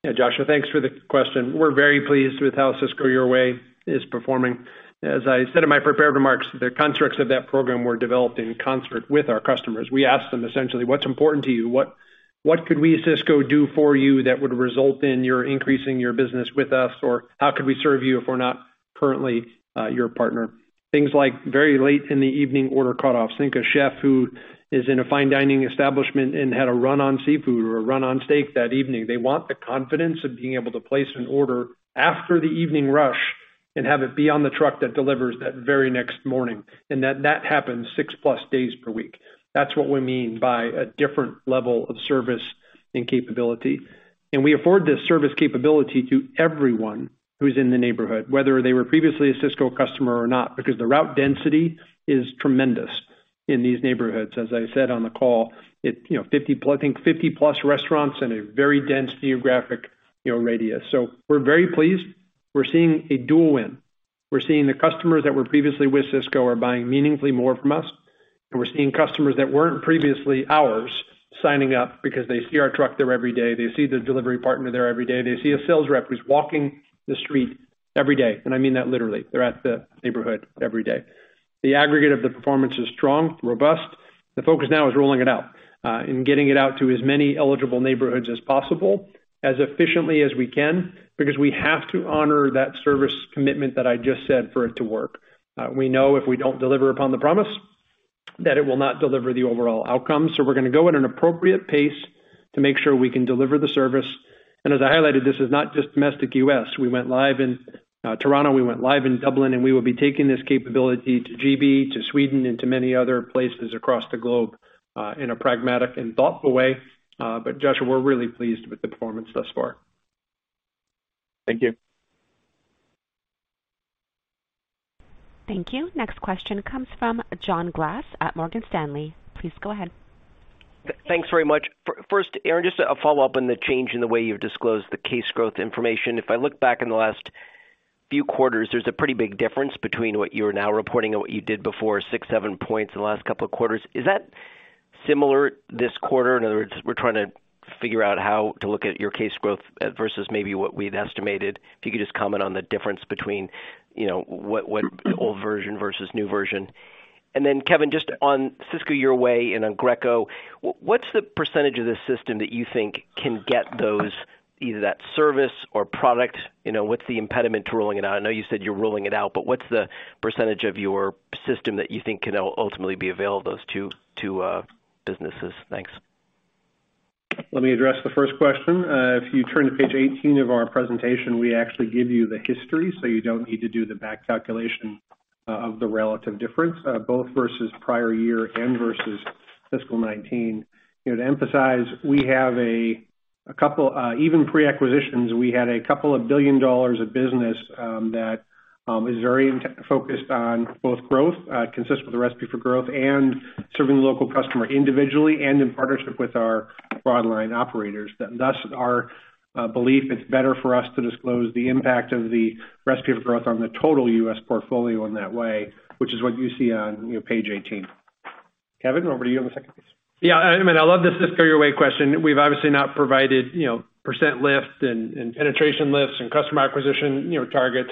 Yeah, Joshua, thanks for the question. We're very pleased with how Sysco Your Way is performing. As I said in my prepared remarks, the constructs of that program were developed in concert with our customers. We asked them essentially, "What's important to you? What could we at Sysco do for you that would result in your increasing your business with us? Or how could we serve you if we're not currently your partner?" Things like very late in the evening order cutoffs. Think a chef who is in a fine dining establishment and had a run on seafood or a run on steak that evening. They want the confidence of being able to place an order after the evening rush and have it be on the truck that delivers that very next morning, and that happens 6+ days per week. That's what we mean by a different level of service and capability. We afford this service capability to everyone who's in the neighborhood, whether they were previously a Sysco customer or not, because the route density is tremendous in these neighborhoods. As I said on the call, it, you know, 50+—I think 50+ restaurants in a very dense geographic, you know, radius. We're very pleased. We're seeing a dual win. We're seeing the customers that were previously with Sysco are buying meaningfully more from us, and we're seeing customers that weren't previously ours signing up because they see our truck there every day. They see the delivery partner there every day. They see a sales rep who's walking the street every day, and I mean that literally. They're at the neighborhood every day. The aggregate of the performance is strong, robust. The focus now is rolling it out, and getting it out to as many eligible neighborhoods as possible as efficiently as we can because we have to honor that service commitment that I just said for it to work. We know if we don't deliver upon the promise. That it will not deliver the overall outcome. We're gonna go at an appropriate pace to make sure we can deliver the service. As I highlighted, this is not just domestic U.S. We went live in Toronto, we went live in Dublin, and we will be taking this capability to G.B., to Sweden, and to many other places across the globe in a pragmatic and thoughtful way. But Joshua, we're really pleased with the performance thus far. Thank you. Thank you. Next question comes from John Glass at Morgan Stanley. Please go ahead. Thanks very much. First, Aaron, just a follow-up on the change in the way you've disclosed the case growth information. If I look back in the last few quarters, there's a pretty big difference between what you're now reporting and what you did before, six, seven points in the last couple of quarters. Is that similar this quarter? In other words, we're trying to figure out how to look at your case growth versus maybe what we'd estimated. If you could just comment on the difference between, you know, what old version versus new version. Then, Kevin, just on Sysco Your Way and on Greco, what's the percentage of the system that you think can get those, either that service or product, you know, what's the impediment to rolling it out? I know you said you're rolling it out, but what's the percentage of your system that you think can ultimately be available to those two businesses? Thanks. Let me address the first question. If you turn to page 18 of our presentation, we actually give you the history, so you don't need to do the back calculation of the relative difference both versus prior year and versus fiscal 2019. You know, to emphasize, we have a couple billion dollars of business even pre-acquisitions, we had a couple billion dollars of business that is very intra-focused on both growth consistent with the recipe for growth, and serving the local customer individually and in partnership with our broadline operators. Thus our belief it's better for us to disclose the impact of the recipe for growth on the total U.S. portfolio in that way, which is what you see on, you know, page 18. Kevin, over to you on the second piece. Yeah. I mean, I love the Sysco Your Way question. We've obviously not provided, you know, percent lift and penetration lifts and customer acquisition, you know, targets.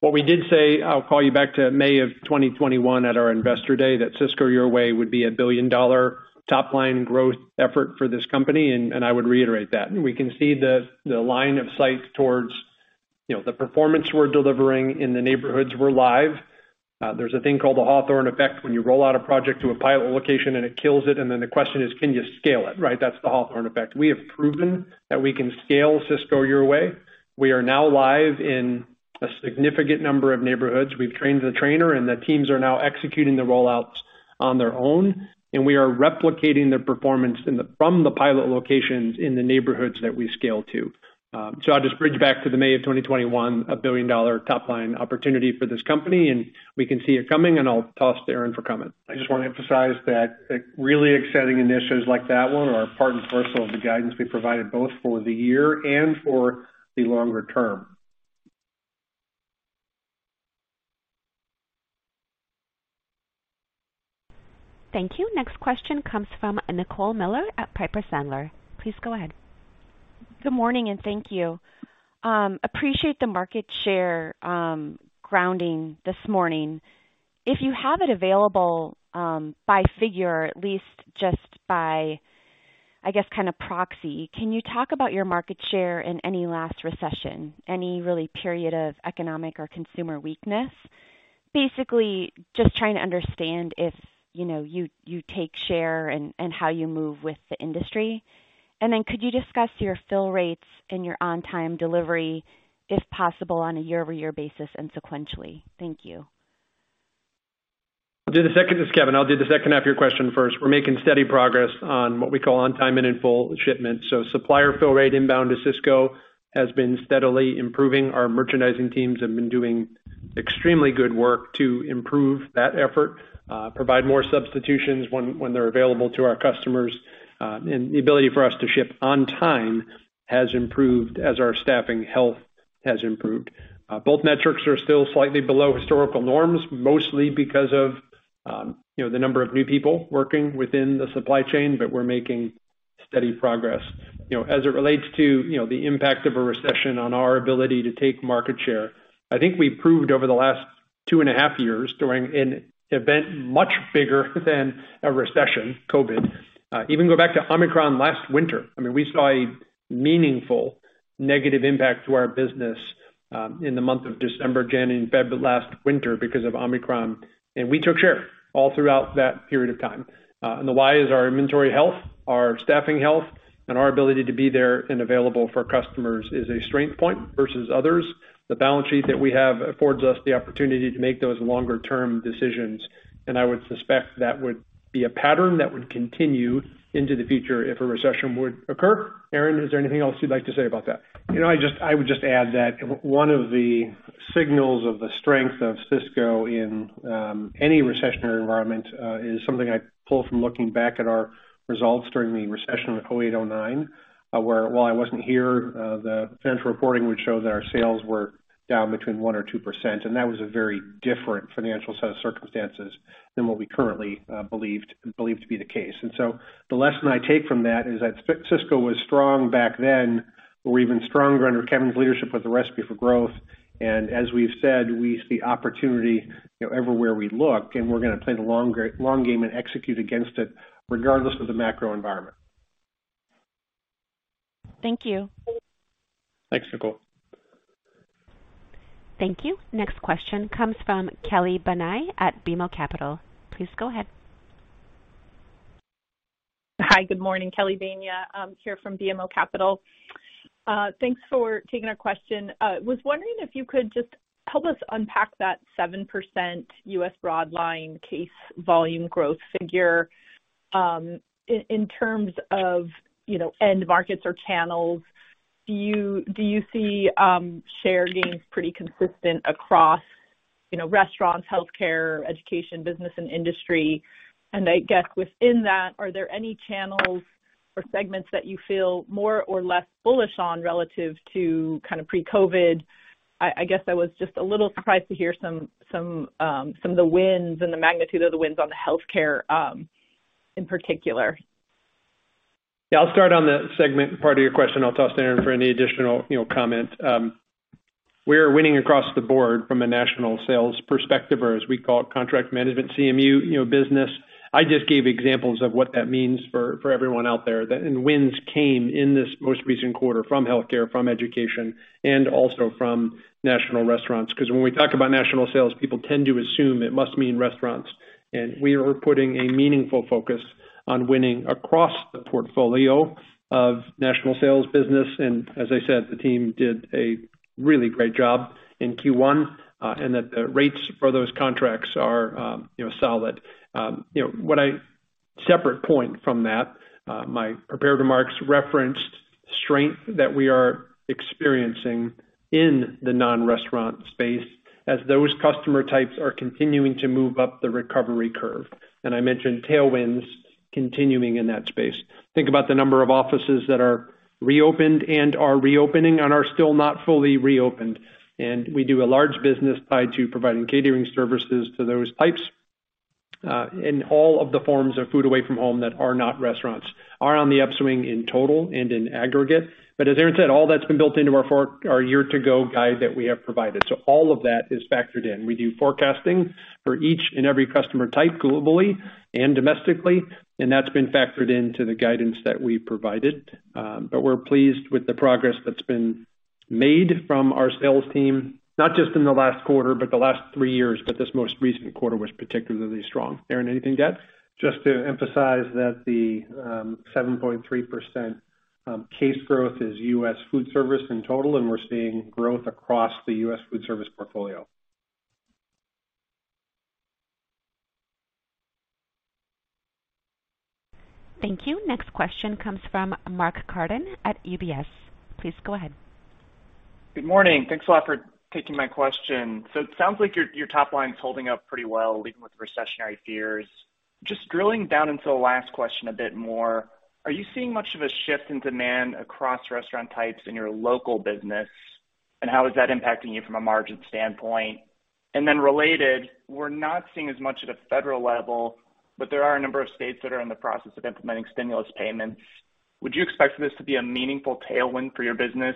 What we did say, I'll call you back to May of 2021 at our Investor Day, that Sysco Your Way would be a billion-dollar top-line growth effort for this company, and I would reiterate that. We can see the line of sight towards, you know, the performance we're delivering in the neighborhoods we're live. There's a thing called the Hawthorne effect. When you roll out a project to a pilot location and it kills it, and then the question is, can you scale it, right? That's the Hawthorne effect. We have proven that we can scale Sysco Your Way. We are now live in a significant number of neighborhoods. We've trained the trainer, and the teams are now executing the rollouts on their own, and we are replicating their performance from the pilot locations in the neighborhoods that we scale to. I'll just bridge back to the May of 2021, a billion-dollar top-line opportunity for this company, and we can see it coming, and I'll toss to Aaron for comment. I just wanna emphasize that, like, really exciting initiatives like that one are part and parcel of the guidance we provided both for the year and for the longer term. Thank you. Next question comes from Nicole Miller at Piper Sandler. Please go ahead. Good morning, and thank you. Appreciate the market share grounding this morning. If you have it available, by figure, at least just by, I guess, kinda proxy, can you talk about your market share in any last recession, any really period of economic or consumer weakness? Basically just trying to understand if, you know, you take share and how you move with the industry. Then could you discuss your fill rates and your on-time delivery, if possible, on a year-over-year basis and sequentially? Thank you. I'll do the second. This is Kevin. I'll do the second half of your question first. We're making steady progress on what we call on time and in full shipments. Supplier fill rate inbound to Sysco has been steadily improving. Our merchandising teams have been doing extremely good work to improve that effort, provide more substitutions when they're available to our customers. The ability for us to ship on time has improved as our staffing health has improved. Both metrics are still slightly below historical norms, mostly because of, you know, the number of new people working within the supply chain, but we're making steady progress. You know, as it relates to, you know, the impact of a recession on our ability to take market share, I think we proved over the last 2.5 years during an event much bigger than a recession, COVID. Even go back to Omicron last winter. I mean, we saw a meaningful negative impact to our business in the month of December, January, and February last winter because of Omicron, and we took share all throughout that period of time. The why is our inventory health, our staffing health, and our ability to be there and available for customers is a strength point versus others. The balance sheet that we have affords us the opportunity to make those longer term decisions, and I would suspect that would be a pattern that would continue into the future if a recession would occur. Aaron, is there anything else you'd like to say about that? You know, I would just add that one of the signals of the strength of Sysco in any recessionary environment is something I pull from looking back at our results during the recession of 2008, 2009, where while I wasn't here, the financial reporting would show that our sales were down between 1% and 2%, and that was a very different financial set of circumstances than what we currently believe to be the case. The lesson I take from that is that Sysco was strong back then. We're even stronger under Kevin's leadership with the Recipe for Growth. As we've said, we see opportunity, you know, everywhere we look, and we're gonna play the long game and execute against it regardless of the macro environment. Thank you. Thanks, Nicole. Thank you. Next question comes from Kelly Bania at BMO Capital. Please go ahead. Hi, good morning. Kelly Bania, here from BMO Capital. Thanks for taking our question. Was wondering if you could just help us unpack that 7% U.S. broadline case volume growth figure, in terms of, you know, end markets or channels. Do you see share gains pretty consistent across, you know, restaurants, healthcare, education, business and industry? I guess within that, are there any channels or segments that you feel more or less bullish on relative to kind of pre-COVID? I guess I was just a little surprised to hear some of the wins and the magnitude of the wins on the healthcare, in particular. Yeah, I'll start on the segment part of your question. I'll toss to Aaron for any additional, you know, comment. We are winning across the board from a national sales perspective, or as we call it, contract management CMU, you know, business. I just gave examples of what that means for everyone out there. Wins came in this most recent quarter from healthcare, from education, and also from national restaurants. Because when we talk about national sales, people tend to assume it must mean restaurants. We are putting a meaningful focus on winning across the portfolio of national sales business. As I said, the team did a really great job in Q1, and that the rates for those contracts are, you know, solid. You know, separate point from that, my prepared remarks referenced strength that we are experiencing in the non-restaurant space as those customer types are continuing to move up the recovery curve. I mentioned tailwinds continuing in that space. Think about the number of offices that are reopened and are reopening and are still not fully reopened. We do a large business tied to providing catering services to those types. All of the forms of food away from home that are not restaurants are on the upswing in total and in aggregate. As Aaron said, all that's been built into our year to go guide that we have provided. All of that is factored in. We do forecasting for each and every customer type globally and domestically, and that's been factored into the guidance that we provided. We're pleased with the progress that's been made from our sales team, not just in the last quarter, but the last three years. This most recent quarter was particularly strong. Aaron, anything to add? Just to emphasize that the 7.3% case growth is U.S. foodservice in total, and we're seeing growth across the U.S. foodservice portfolio. Thank you. Next question comes from Mark Carden at UBS. Please go ahead. Good morning. Thanks a lot for taking my question. It sounds like your top line is holding up pretty well, even with recessionary fears. Just drilling down into the last question a bit more, are you seeing much of a shift in demand across restaurant types in your local business? How is that impacting you from a margin standpoint? Related, we're not seeing as much at a federal level, but there are a number of states that are in the process of implementing stimulus payments. Would you expect this to be a meaningful tailwind for your business?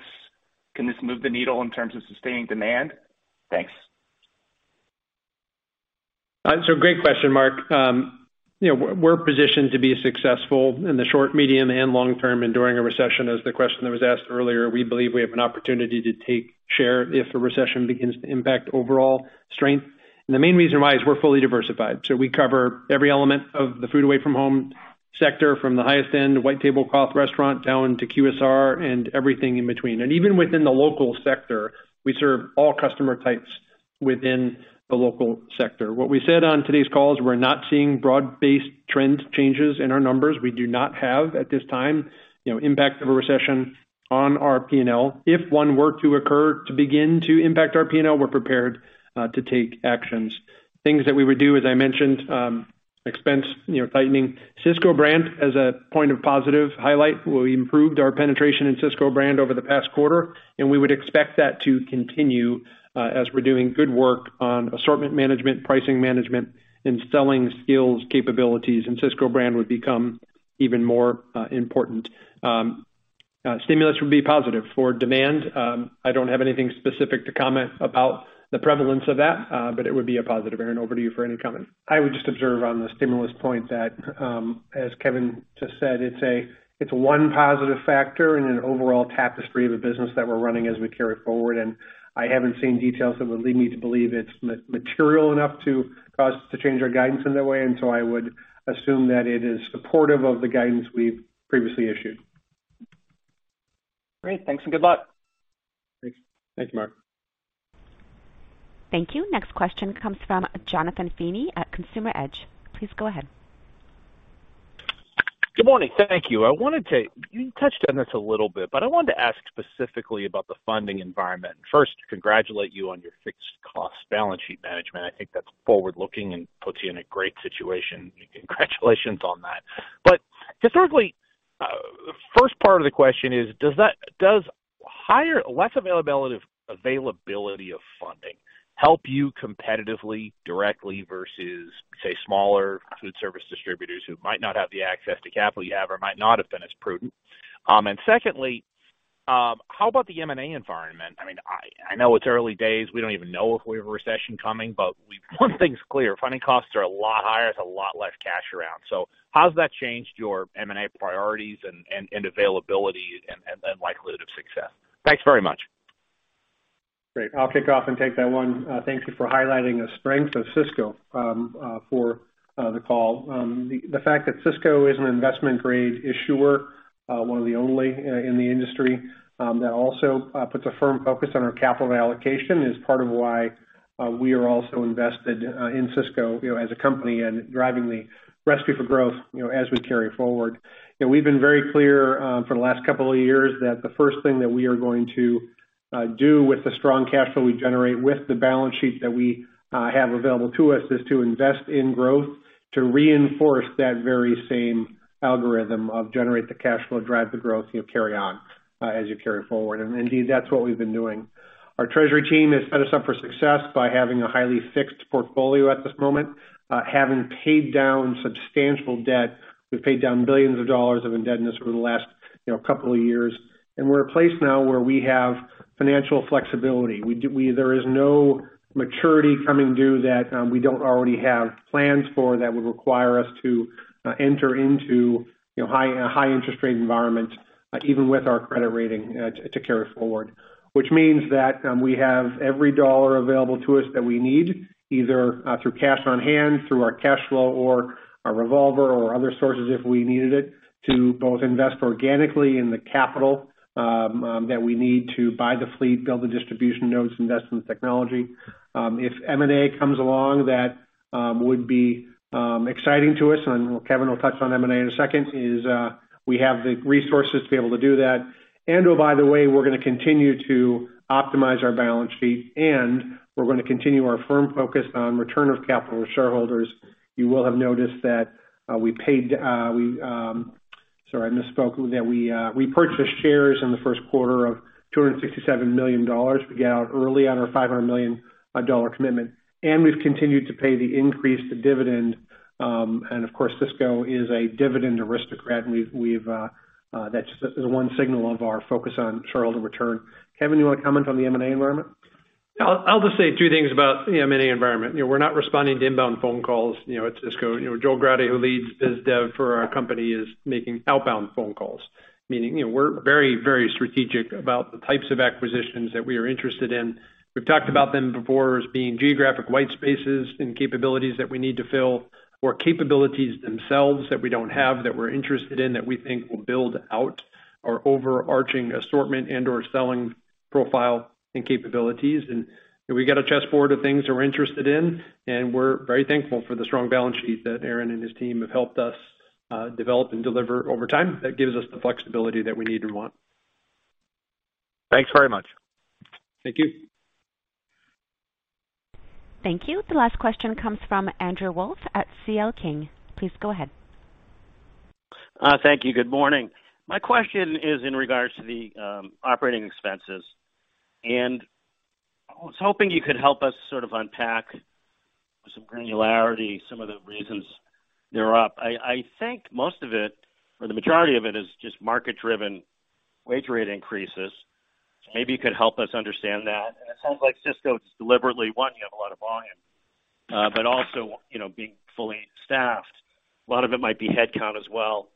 Can this move the needle in terms of sustaining demand? Thanks. Great question, Mark. You know, we're positioned to be successful in the short, medium and long term and during a recession, as the question that was asked earlier. We believe we have an opportunity to take share if a recession begins to impact overall strength. The main reason why is we're fully diversified. We cover every element of the food away from home sector, from the highest end white tablecloth restaurant down to QSR and everything in between. Even within the local sector, we serve all customer types within the local sector. What we said on today's call is we're not seeing broad-based trend changes in our numbers. We do not have at this time, you know, impact of a recession on our P&L. If one were to occur to begin to impact our P&L, we're prepared to take actions. Things that we would do, as I mentioned, expense, you know, tightening. Sysco Brand as a point of positive highlight. We improved our penetration in Sysco Brand over the past quarter, and we would expect that to continue, as we're doing good work on assortment management, pricing management and selling skills capabilities, and Sysco Brand would become even more important. Stimulus would be positive for demand. I don't have anything specific to comment about the prevalence of that, but it would be a positive. Aaron, over to you for any comment. I would just observe on the stimulus point that, as Kevin just said, it's one positive factor in an overall tapestry of a business that we're running as we carry forward. I haven't seen details that would lead me to believe it's material enough to cause us to change our guidance in that way. I would assume that it is supportive of the guidance we've previously issued. Great. Thanks and good luck. Thanks. Thank you, Mark. Thank you. Next question comes from Jonathan Feeney at Consumer Edge. Please go ahead. Good morning. Thank you. You touched on this a little bit, but I wanted to ask specifically about the funding environment. First, congratulate you on your fixed cost balance sheet management. I think that's forward looking and puts you in a great situation. Congratulations on that. Historically, first part of the question is, does less availability of funding help you competitively, directly versus, say, smaller foodservice distributors who might not have the access to capital you have or might not have been as prudent? And secondly. How about the M&A environment? I mean, I know it's early days. We don't even know if we have a recession coming, but one thing's clear, funding costs are a lot higher. There's a lot less cash around. How's that changed your M&A priorities and availability and then likelihood of success? Thanks very much. Great. I'll kick off and take that one. Thank you for highlighting the strength of Sysco for the call. The fact that Sysco is an investment-grade issuer, one of the only in the industry, that also puts a firm focus on our capital allocation is part of why we are also invested in Sysco, you know, as a company and driving the recipe for growth, you know, as we carry forward. You know, we've been very clear for the last couple of years that the first thing that we are going to do with the strong cash flow we generate with the balance sheet that we have available to us is to invest in growth to reinforce that very same algorithm of generate the cash flow, drive the growth, you know, carry on as you carry forward. Indeed, that's what we've been doing. Our treasury team has set us up for success by having a highly fixed portfolio at this moment, having paid down substantial debt. We've paid down billions of dollars of indebtedness over the last, you know, couple of years. We're at a place now where we have financial flexibility. There is no maturity coming due that we don't already have plans for that would require us to enter into, you know, high interest rate environment, even with our credit rating, to carry us forward. Which means that we have every dollar available to us that we need, either through cash on hand, through our cash flow or our revolver or other sources if we needed it, to both invest organically in the capital that we need to buy the fleet, build the distribution nodes, invest in the technology. If M&A comes along, that would be exciting to us, and Kevin will touch on M&A in a second, we have the resources to be able to do that. Oh, by the way, we're gonna continue to optimize our balance sheet, and we're gonna continue our firm focus on return of capital to shareholders. You will have noticed that we repurchased shares in the Q1 of $267 million. We got out early on our $500 million dollar commitment. We've continued to pay the increased dividend. Of course, Sysco is a dividend aristocrat, and that's the one signal of our focus on shareholder return. Kevin, you wanna comment on the M&A environment? Yeah. I'll just say two things about the M&A environment. You know, we're not responding to inbound phone calls, you know, at Sysco. You know, Joel Grade, who leads biz dev for our company, is making outbound phone calls. Meaning, you know, we're very, very strategic about the types of acquisitions that we are interested in. We've talked about them before as being geographic white spaces and capabilities that we need to fill or capabilities themselves that we don't have, that we're interested in, that we think will build out our overarching assortment and/or selling profile and capabilities. You know, we got a chess board of things we're interested in, and we're very thankful for the strong balance sheet that Aaron and his team have helped us develop and deliver over time that gives us the flexibility that we need and want. Thanks very much. Thank you. Thank you. The last question comes from Andrew Wolf at C.L. King. Please go ahead. Thank you. Good morning. My question is in regards to the operating expenses. I was hoping you could help us sort of unpack with some granularity some of the reasons they're up. I think most of it or the majority of it is just market-driven wage rate increases. Maybe you could help us understand that. It sounds like Sysco is deliberately, one, you have a lot of volume, but also, you know, being fully staffed, a lot of it might be headcount as well.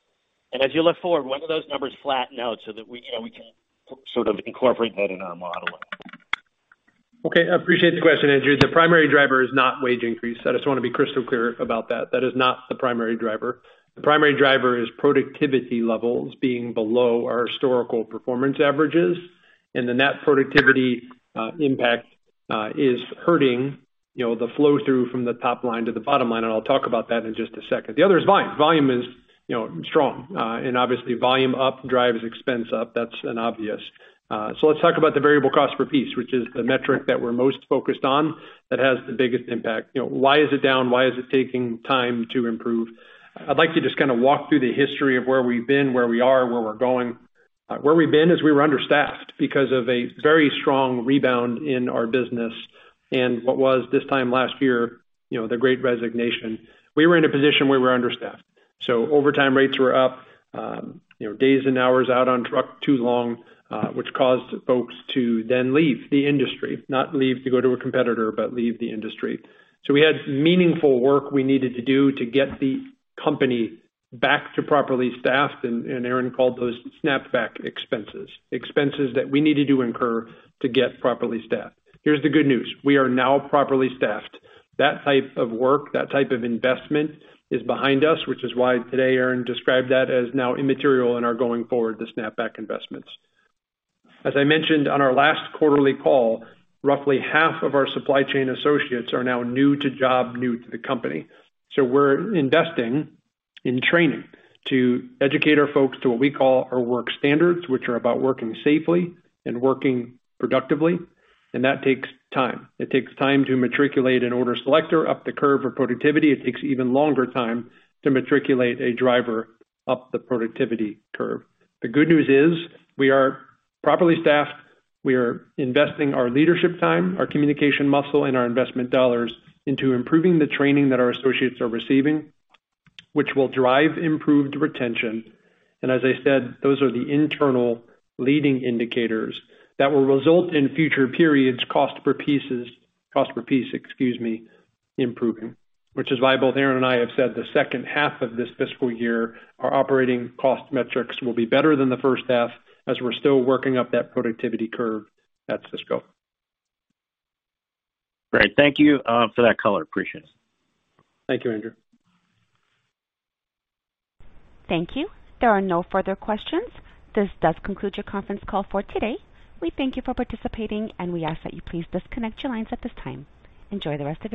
As you look forward, when do those numbers flatten out so that we, you know, we can sort of incorporate that in our modeling? Okay. I appreciate the question, Andrew. The primary driver is not wage increase. I just wanna be crystal clear about that. That is not the primary driver. The primary driver is productivity levels being below our historical performance averages, and the net productivity impact is hurting, you know, the flow through from the top line to the bottom line, and I'll talk about that in just a second. The other is volume. Volume is, you know, strong. Obviously volume up drives expense up. That's an obvious. Let's talk about the variable cost per piece, which is the metric that we're most focused on that has the biggest impact. You know, why is it down? Why is it taking time to improve? I'd like to just kinda walk through the history of where we've been, where we are, where we're going. Where we've been is we were understaffed because of a very strong rebound in our business and what was this time last year, you know, the Great Resignation. We were in a position we were understaffed. Overtime rates were up, you know, days and hours out on truck too long, which caused folks to then leave the industry. Not leave to go to a competitor, but leave the industry. We had meaningful work we needed to do to get the company back to properly staffed, and Aaron called those snapback expenses. Expenses that we needed to incur to get properly staffed. Here's the good news. We are now properly staffed. That type of work, that type of investment is behind us, which is why today Aaron described that as now immaterial and are going forward, the snapback investments. As I mentioned on our last quarterly call, roughly half of our supply chain associates are now new to the job, new to the company. We're investing in training to educate our folks to what we call our work standards, which are about working safely and working productively, and that takes time. It takes time to matriculate an order selector up the curve of productivity. It takes even longer time to matriculate a driver up the productivity curve. The good news is we are properly staffed. We are investing our leadership time, our communication muscle, and our investment dollars into improving the training that our associates are receiving, which will drive improved retention. As I said, those are the internal leading indicators that will result in future periods cost per piece, excuse me, improving. Which is why both Aaron and I have said the second half of this fiscal year, our operating cost metrics will be better than the first half as we're still working up that productivity curve at Sysco. Great. Thank you, for that color. Appreciate it. Thank you, Andrew. Thank you. There are no further questions. This does conclude your conference call for today. We thank you for participating, and we ask that you please disconnect your lines at this time. Enjoy the rest of your day.